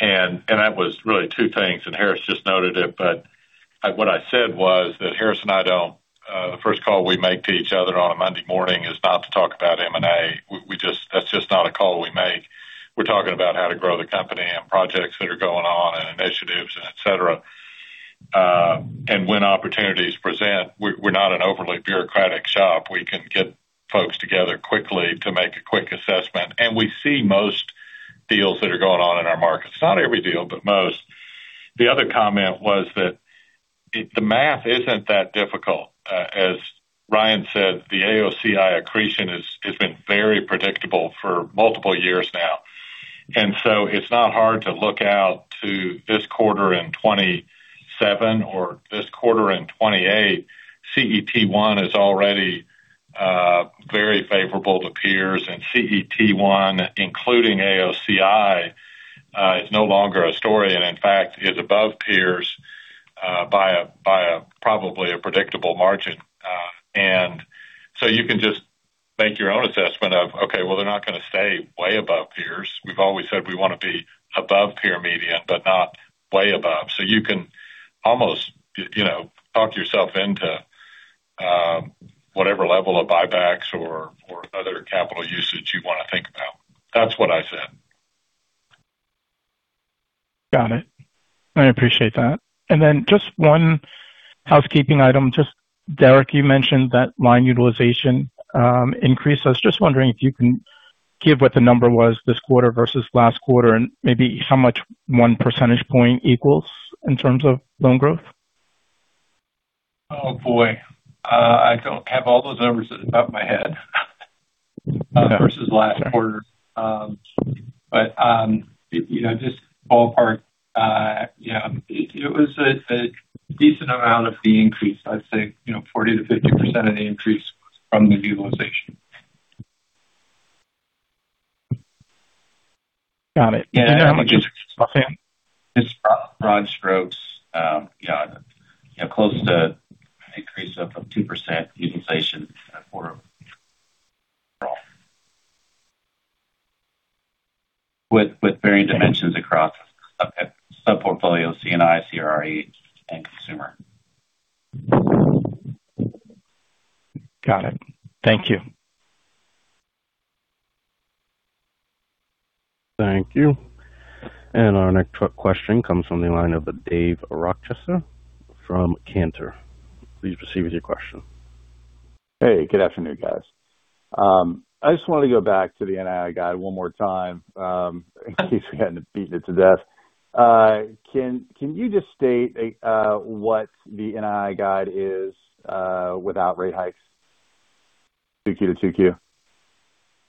that was really two things, Harris just noted it. What I said was that Harris and I don't. The first call we make to each other on a Monday morning is not to talk about M&A. That's just not a call we make. We're talking about how to grow the company and projects that are going on and initiatives, et cetera. When opportunities present, we're not an overly bureaucratic shop. We can get folks together quickly to make a quick assessment. We see most deals that are going on in our markets. Not every deal, but most. The other comment was that the math isn't that difficult. As Ryan said, the AOCI accretion has been very predictable for multiple years now, it's not hard to look out to this quarter in 2027 or this quarter in 2028. CET1 is already very favorable to peers, CET1, including AOCI is no longer a story and in fact is above peers by probably a predictable margin. You can just make your own assessment of, okay, well, they're not going to stay way above peers. We've always said we want to be above peer median, but not way above. You can almost talk yourself into whatever level of buybacks or other capital usage you want to think about. That's what I said. Got it. I appreciate that. Then just one housekeeping item. Derek, you mentioned that line utilization increase. I was just wondering if you can give what the number was this quarter versus last quarter and maybe how much 1 percentage point equals in terms of loan growth. Oh, boy, I don't have all those numbers at the top of my head versus last quarter. Just ballpark, it was a decent amount of the increase. I'd say 40% to 50% of the increase from the utilization. Got it. Just broad strokes. Close to an increase of two % utilization quarter-over-quarter with varying dimensions across sub-portfolios, C&I, CRE, and consumer. Got it. Thank you. Thank you. Our next question comes from the line of Dave Rochester from Cantor. Please proceed with your question. Hey, good afternoon, guys. I just wanted to go back to the NII guide one more time in case we end up beating it to death. Can you just state what the NII guide is without rate hikes 2Q to 2Q?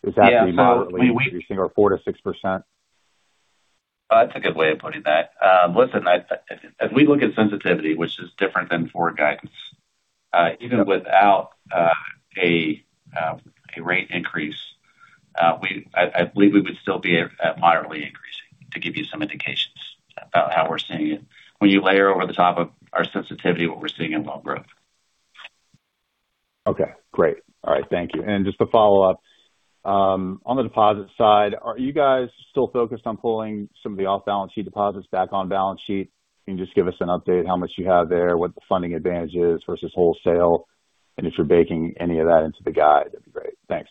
Is that moderately increasing or 4% to 6%? That's a good way of putting that. Listen, as we look at sensitivity, which is different than forward guidance even without a rate increase I believe we would still be moderately increasing to give you some indications about how we're seeing it when you layer over the top of our sensitivity what we're seeing in loan growth. Okay, great. All right, thank you. Just to follow up, on the deposit side, are you guys still focused on pulling some of the off-balance sheet deposits back on-balance sheet? Can you just give us an update how much you have there, what the funding advantage is versus wholesale, and if you're baking any of that into the guide? That'd be great. Thanks.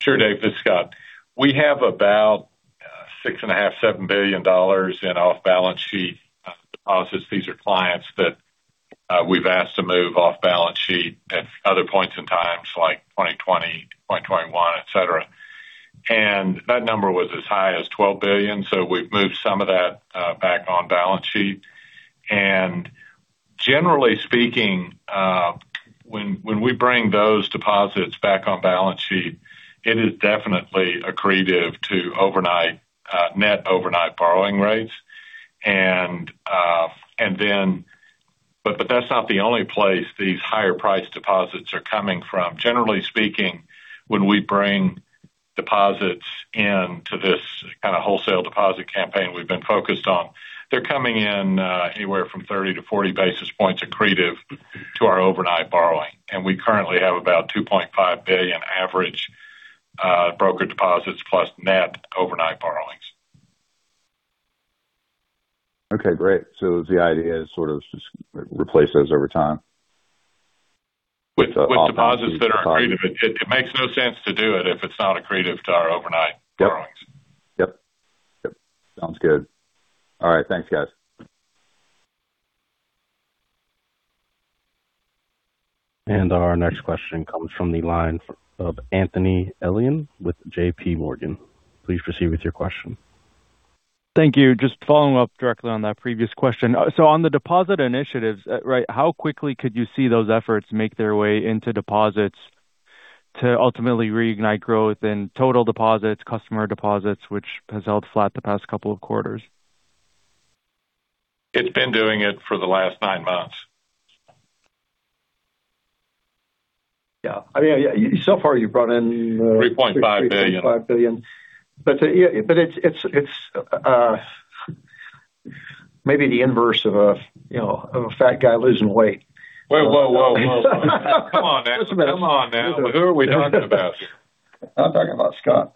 Sure, Dave, this is Scott. We have about $6.5 billion-$7 billion in off-balance sheet deposits. These are clients that we've asked to move off-balance sheet at other points in times like 2020, 2021, et cetera. That number was as high as $12 billion. We've moved some of that back on-balance sheet. Generally speaking, when we bring those deposits back on-balance sheet, it is definitely accretive to net overnight borrowing rates. That's not the only place these higher-priced deposits are coming from. Generally speaking, when we bring deposits into this kind of wholesale deposit campaign we've been focused on, they're coming in anywhere from 30 to 40 basis points accretive to our overnight borrowing. We currently have about $2.5 billion average broker deposits plus net overnight borrowings. Okay, great. The idea is sort of just replace those over time. With deposits that are accretive. It makes no sense to do it if it's not accretive to our overnight borrowings. Yep. Sounds good. All right, thanks, guys. Our next question comes from the line of Anthony Elian with JPMorgan. Please proceed with your question. Thank you. Just following up directly on that previous question. On the deposit initiatives, how quickly could you see those efforts make their way into deposits to ultimately reignite growth in total deposits, customer deposits, which has held flat the past couple of quarters? It's been doing it for the last nine months. Yeah. Far, you've brought in. $3.5 billion. $3.5 billion. It's maybe the inverse of a fat guy losing weight. Whoa. Come on, now. Who are we talking about? I'm talking about Scott.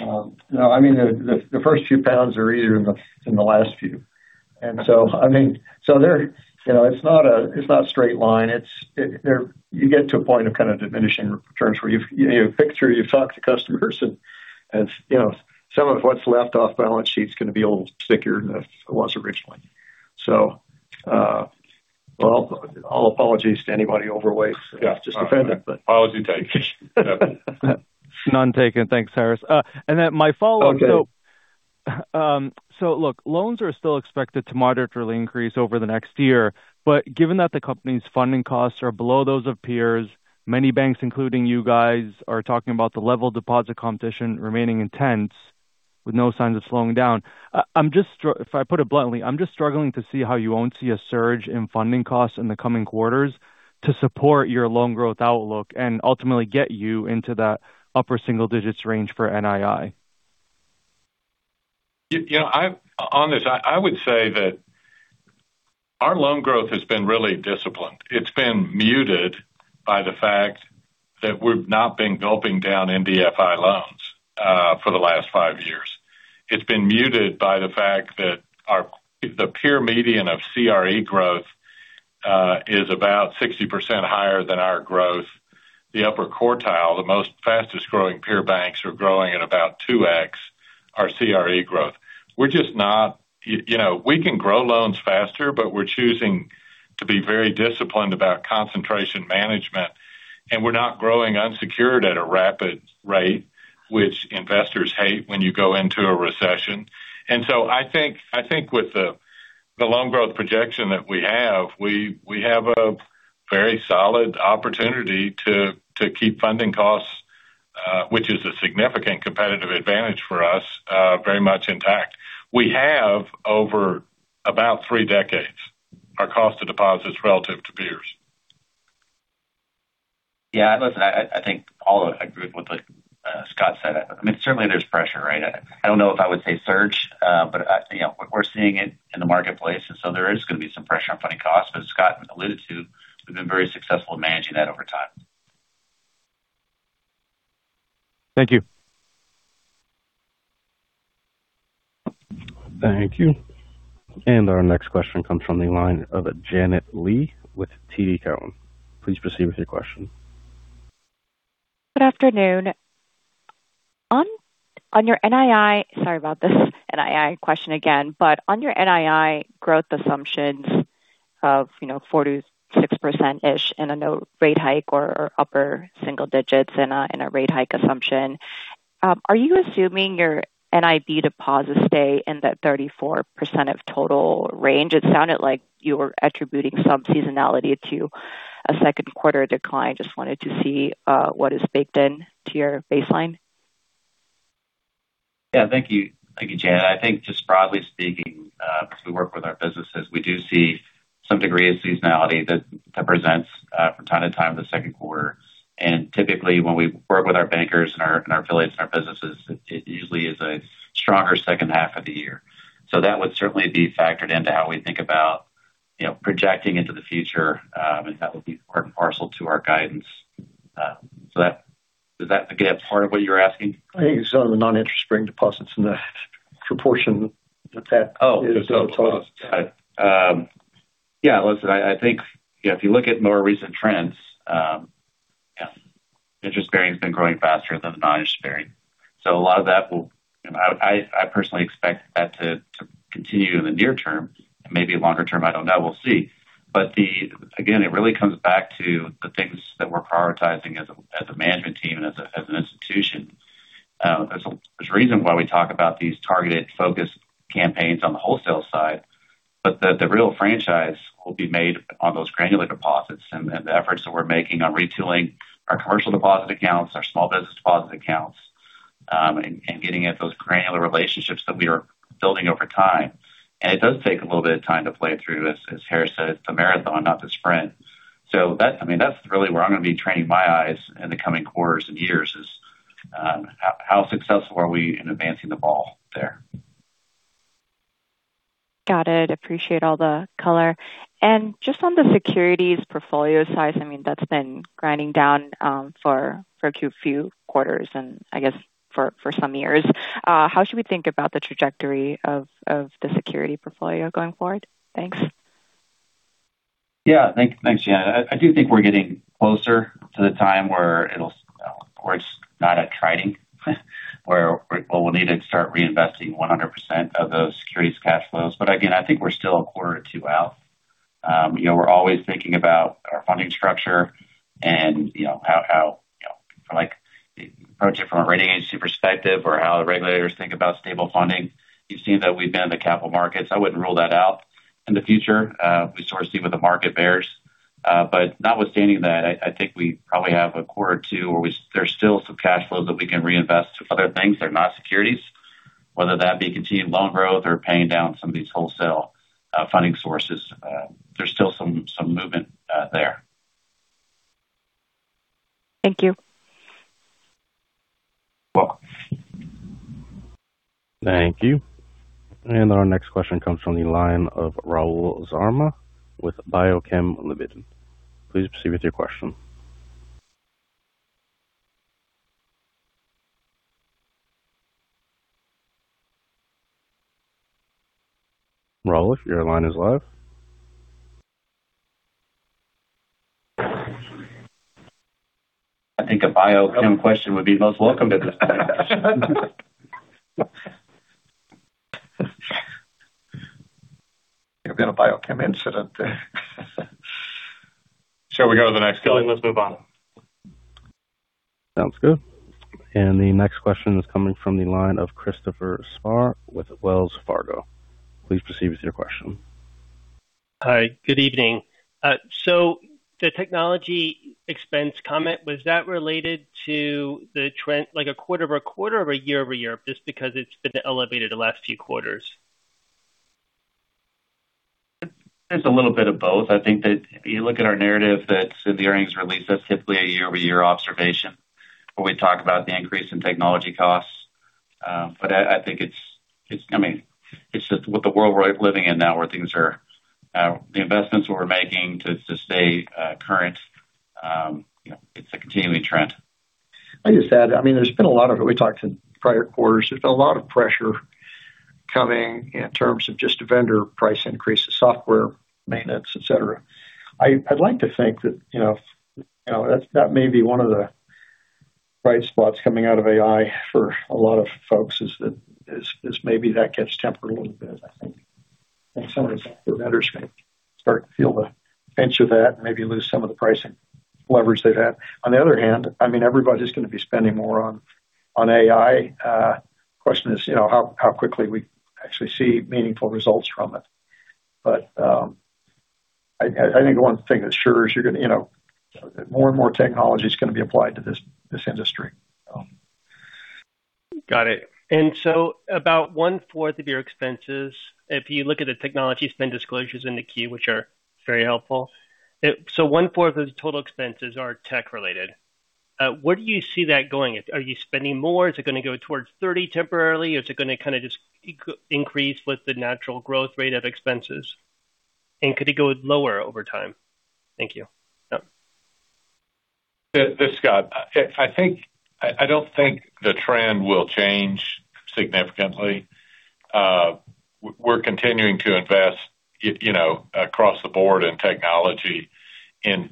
No, the first few pounds are easier than the last few. It's not straight line. You get to a point of kind of diminishing returns where you've picked through, you've talked to customers, and some of what's left off balance sheet's going to be a little stickier than it was originally. All apologies to anybody overweight. Yeah. Just offended. Apology taken. None taken. Thanks, Harris. Then my follow-on. Okay. Look, loans are still expected to moderately increase over the next year, but given that the company's funding costs are below those of peers, many banks, including you guys, are talking about the level of deposit competition remaining intense with no signs of slowing down. If I put it bluntly, I'm just struggling to see how you won't see a surge in funding costs in the coming quarters to support your loan growth outlook and ultimately get you into that upper single digits range for NII. On this, I would say that our loan growth has been really disciplined. It's been muted by the fact that we've not been gulping down NDFI loans for the last five years. It's been muted by the fact that the peer median of CRE growth is about 60% higher than our growth. The upper quartile, the most fastest-growing peer banks are growing at about 2x our CRE growth. We can grow loans faster, but we're choosing to be very disciplined about concentration management, and we're not growing unsecured at a rapid rate, which investors hate when you go into a recession. So I think with the loan growth projection that we have, we have a very solid opportunity to keep funding costs, which is a significant competitive advantage for us, very much intact. We have over about three decades our cost of deposits relative to peers. Yeah. Listen, I think all agreed with what Scott said. Certainly there's pressure. I don't know if I would say surge. We're seeing it in the marketplace, there is going to be some pressure on funding costs. As Scott alluded to, we've been very successful in managing that over time. Thank you. Thank you. Our next question comes from the line of Janet Lee with TD Cowen. Please proceed with your question. Good afternoon. On your NII, sorry about this NII question again, on your NII growth assumptions of 4%-6%-ish in a no rate hike or upper single digits in a rate hike assumption, are you assuming your NIB deposits stay in that 34% of total range? It sounded like you were attributing some seasonality to a second quarter decline. Just wanted to see what is baked in to your baseline. Thank you, Janet. I think just broadly speaking, as we work with our businesses, we do see some degree of seasonality that presents from time to time in the second quarter. Typically, when we work with our bankers and our affiliates and our businesses, it usually is a stronger second half of the year. That would certainly be factored into how we think about projecting into the future, and that would be part and parcel to our guidance. Does that get part of what you're asking? I think some of the non-interest bearing deposits and the proportion that is of total. Yeah. Listen, I think if you look at more recent trends, interest bearing's been growing faster than the non-interest bearing. I personally expect that to continue in the near term and maybe longer term, I don't know. We'll see. Again, it really comes back to the things that we're prioritizing as a management team and as an institution. There's a reason why we talk about these targeted focus campaigns on the wholesale side, the real franchise will be made on those granular deposits and the efforts that we're making on retooling our commercial deposit accounts, our small business deposit accounts, and getting at those granular relationships that we are building over time. It does take a little bit of time to play through. As Harris said, it's a marathon, not the sprint. That's really where I'm going to be training my eyes in the coming quarters and years is how successful are we in advancing the ball there. Got it. Appreciate all the color. Just on the securities portfolio size, that's been grinding down for a few quarters and I guess for some years. How should we think about the trajectory of the security portfolio going forward? Thanks. Yeah. Thanks, Janet. I do think we're getting closer to the time where it'll Or it's not at timing where we'll need to start reinvesting 100% of those securities cash flows. Again, I think we're still a quarter or two out. We're always thinking about our funding structure and approach it from a rating agency perspective or how the regulators think about stable funding. You've seen that we've been in the capital markets. I wouldn't rule that out in the future. We sort of see what the market bears. Notwithstanding that, I think we probably have a quarter or two where there's still some cash flow that we can reinvest to other things that are not securities, whether that be continued loan growth or paying down some of these wholesale funding sources. There's still some movement there. Thank you. You're welcome. Thank you. Our next question comes from the line of Rahul Sharma with BioChem Limited. Please proceed with your question. Rahul, your line is live. I think a BioChem question would be most welcome at this time. I think we had a BioChem incident there. Shall we go to the next one? Let's move on. Sounds good. The next question is coming from the line of Christopher Spahr with Wells Fargo. Please proceed with your question. Hi, good evening. The technology expense comment, was that related to the trend like a quarter-over-quarter or a year-over-year, just because it's been elevated the last few quarters? It's a little bit of both. I think that if you look at our narrative that's in the earnings release, that's typically a year-over-year observation where we talk about the increase in technology costs. I think it's just with the world we're living in now, the investments we're making to stay current. It's a continuing trend. I just add, there's been a lot of it. We talked in prior quarters. There's been a lot of pressure coming in terms of just vendor price increases, software maintenance, et cetera. I'd like to think that maybe one of the bright spots coming out of AI for a lot of folks is maybe that gets tempered a little bit. I think in some respects, the vendors may start to feel the pinch of that and maybe lose some of the pricing leverage they've had. On the other hand, everybody's going to be spending more on AI. Question is, how quickly we actually see meaningful results from it. I think the one thing that's sure is that more and more technology is going to be applied to this industry. Got it. About one-fourth of your expenses, if you look at the technology spend disclosures in the Q, which are very helpful. One-fourth of the total expenses are tech related. Where do you see that going? Are you spending more? Is it going to go towards 30 temporarily? Is it going to just increase with the natural growth rate of expenses? Could it go lower over time? Thank you. This is Scott. I don't think the trend will change significantly. We're continuing to invest across the board in technology in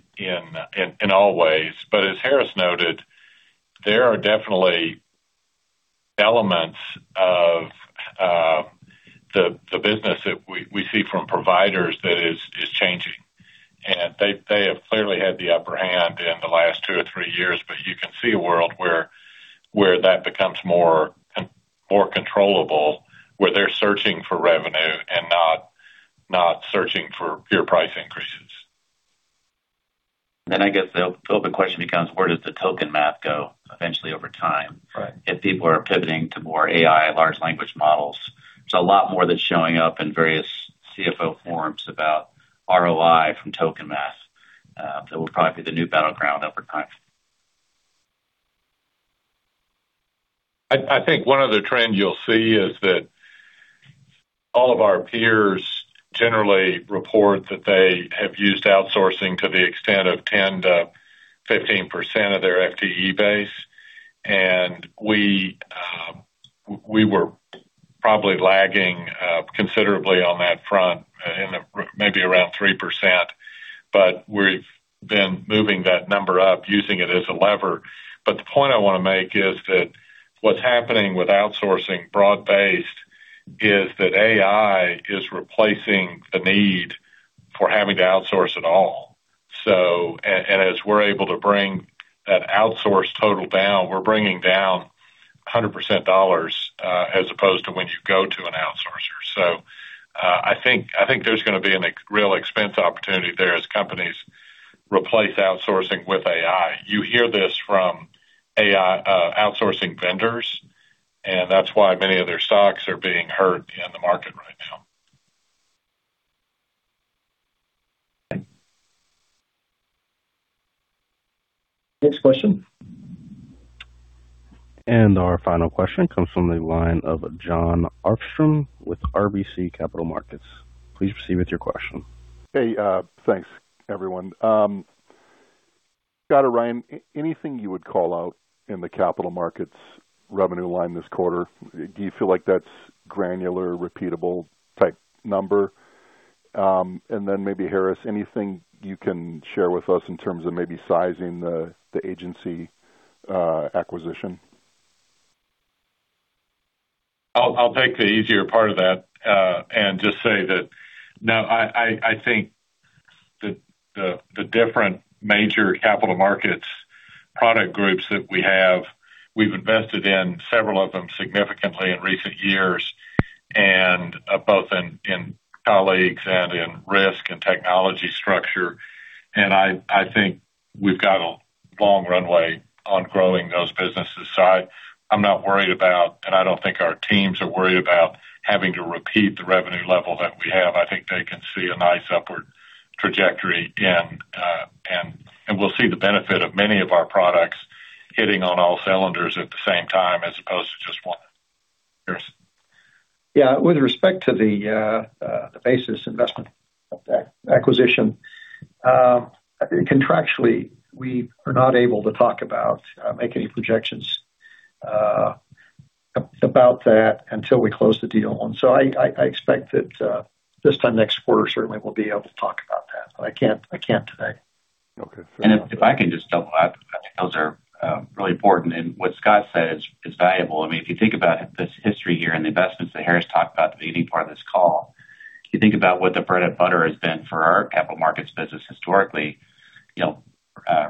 all ways. As Harris noted, there are definitely elements of the business that we see from providers that is changing. They have clearly had the upper hand in the last two or three years. You can see a world where that becomes more controllable, where they're searching for revenue and not searching for pure price increases. I guess the open question becomes, where does the token math go eventually over time? Right. If people are pivoting to more AI, large language models. There is a lot more that is showing up in various CFO forums about ROI from token math. That will probably be the new battleground over time. I think one other trend you will see is that all of our peers generally report that they have used outsourcing to the extent of 10%-15% of their FTE base. We were probably lagging considerably on that front in maybe around 3%, but we have been moving that number up using it as a lever. The point I want to make is that what is happening with outsourcing broad-based is that AI is replacing the need for having to outsource at all. As we are able to bring that outsource total down, we are bringing down 100% dollars, as opposed to when you go to an outsourcer. I think there is going to be a real expense opportunity there as companies replace outsourcing with AI. You hear this from AI outsourcing vendors, and that is why many of their stocks are being hurt in the market right now. Next question. Our final question comes from the line of Jon Arfstrom with RBC Capital Markets. Please proceed with your question. Hey, thanks everyone. Scott or Ryan, anything you would call out in the capital markets revenue line this quarter? Do you feel like that's granular, repeatable type number? And then maybe Harris, anything you can share with us in terms of maybe sizing the Basis Investment Group acquisition? I'll take the easier part of that, and just say that, no, I think the different major capital markets product groups that we have, we've invested in several of them significantly in recent years, and both in colleagues and in risk and technology structure. I think we've got a long runway on growing those businesses. I'm not worried about, and I don't think our teams are worried about having to repeat the revenue level that we have. I think they can see a nice upward trajectory, and we'll see the benefit of many of our products hitting on all cylinders at the same time as opposed to just one. Harris. Yeah. With respect to the Basis Investment Group acquisition. Contractually, we are not able to talk about or make any projections about that until we close the deal. I expect that this time next quarter certainly we'll be able to talk about that. I can't today. Okay. Fair enough. If I can just double up, because I think those are really important, and what Scott said is valuable. If you think about this history here and the investments that Harris talked about at the beginning part of this call. If you think about what the bread and butter has been for our capital markets business historically.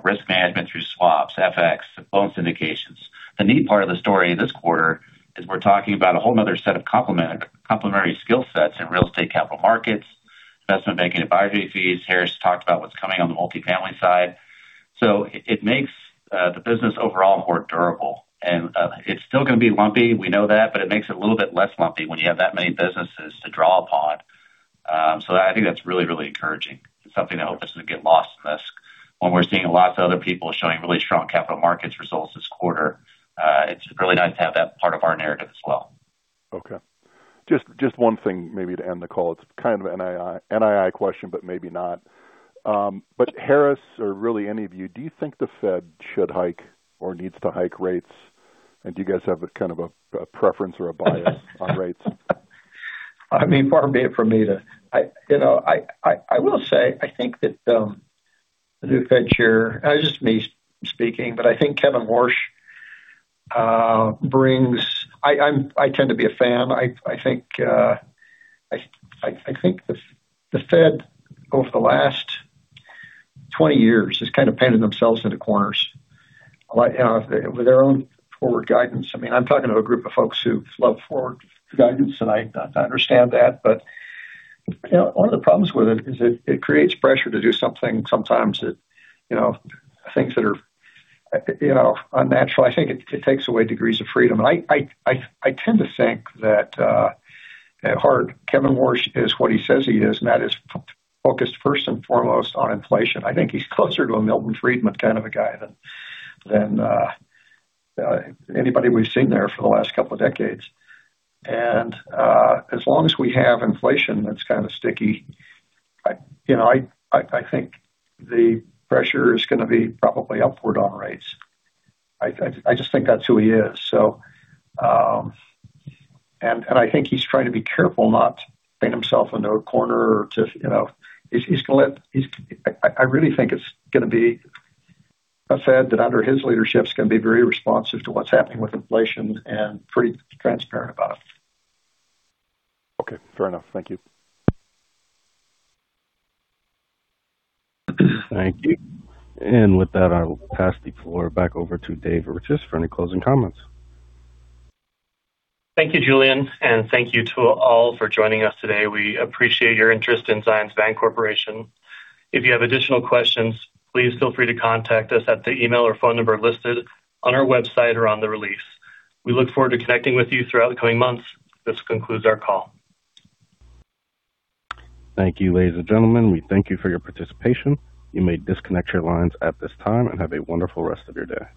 Risk management through swaps, FX, loans indications. The neat part of the story this quarter is we're talking about a whole another set of complementary skill sets in real estate capital markets, investment banking advisory fees. Harris talked about what's coming on the multifamily side. It makes the business overall more durable. It's still going to be lumpy, we know that, but it makes it a little bit less lumpy when you have that many businesses to draw upon. I think that's really encouraging. It's something I hope doesn't get lost in this when we're seeing lots of other people showing really strong capital markets results this quarter. It's really nice to have that part of our narrative as well. Okay. Just one thing maybe to end the call. It's kind of an NII question, but maybe not. Harris or really any of you, do you think the Fed should hike or needs to hike rates? Do you guys have a kind of a preference or a bias on rates? I mean, far be it from me to. I will say, I think that the new Fed chair, just me speaking, but I think Kevin Warsh brings. I tend to be a fan. I think the Fed over the last 20 years has kind of painted themselves into corners with their own forward guidance. I'm talking to a group of folks who love forward guidance, and I understand that. One of the problems with it is it creates pressure to do something sometimes that things that are unnatural. I think it takes away degrees of freedom. I tend to think that at heart, Kevin Warsh is what he says he is, and that is focused first and foremost on inflation. I think he's closer to a Milton Friedman kind of a guy than anybody we've seen there for the last couple of decades. As long as we have inflation that's kind of sticky, I think the pressure is going to be probably upward on rates. I just think that's who he is. I think he's trying to be careful not to paint himself into a corner. I really think it's going to be a Fed that under his leadership is going to be very responsive to what's happening with inflation and pretty transparent about it. Okay. Fair enough. Thank you. Thank you. With that, I will pass the floor back over to Dave Riches for any closing comments. Thank you, Julian, and thank you to all for joining us today. We appreciate your interest in Zions Bancorporation. If you have additional questions, please feel free to contact us at the email or phone number listed on our website or on the release. We look forward to connecting with you throughout the coming months. This concludes our call. Thank you, ladies and gentlemen. We thank you for your participation. You may disconnect your lines at this time, and have a wonderful rest of your day.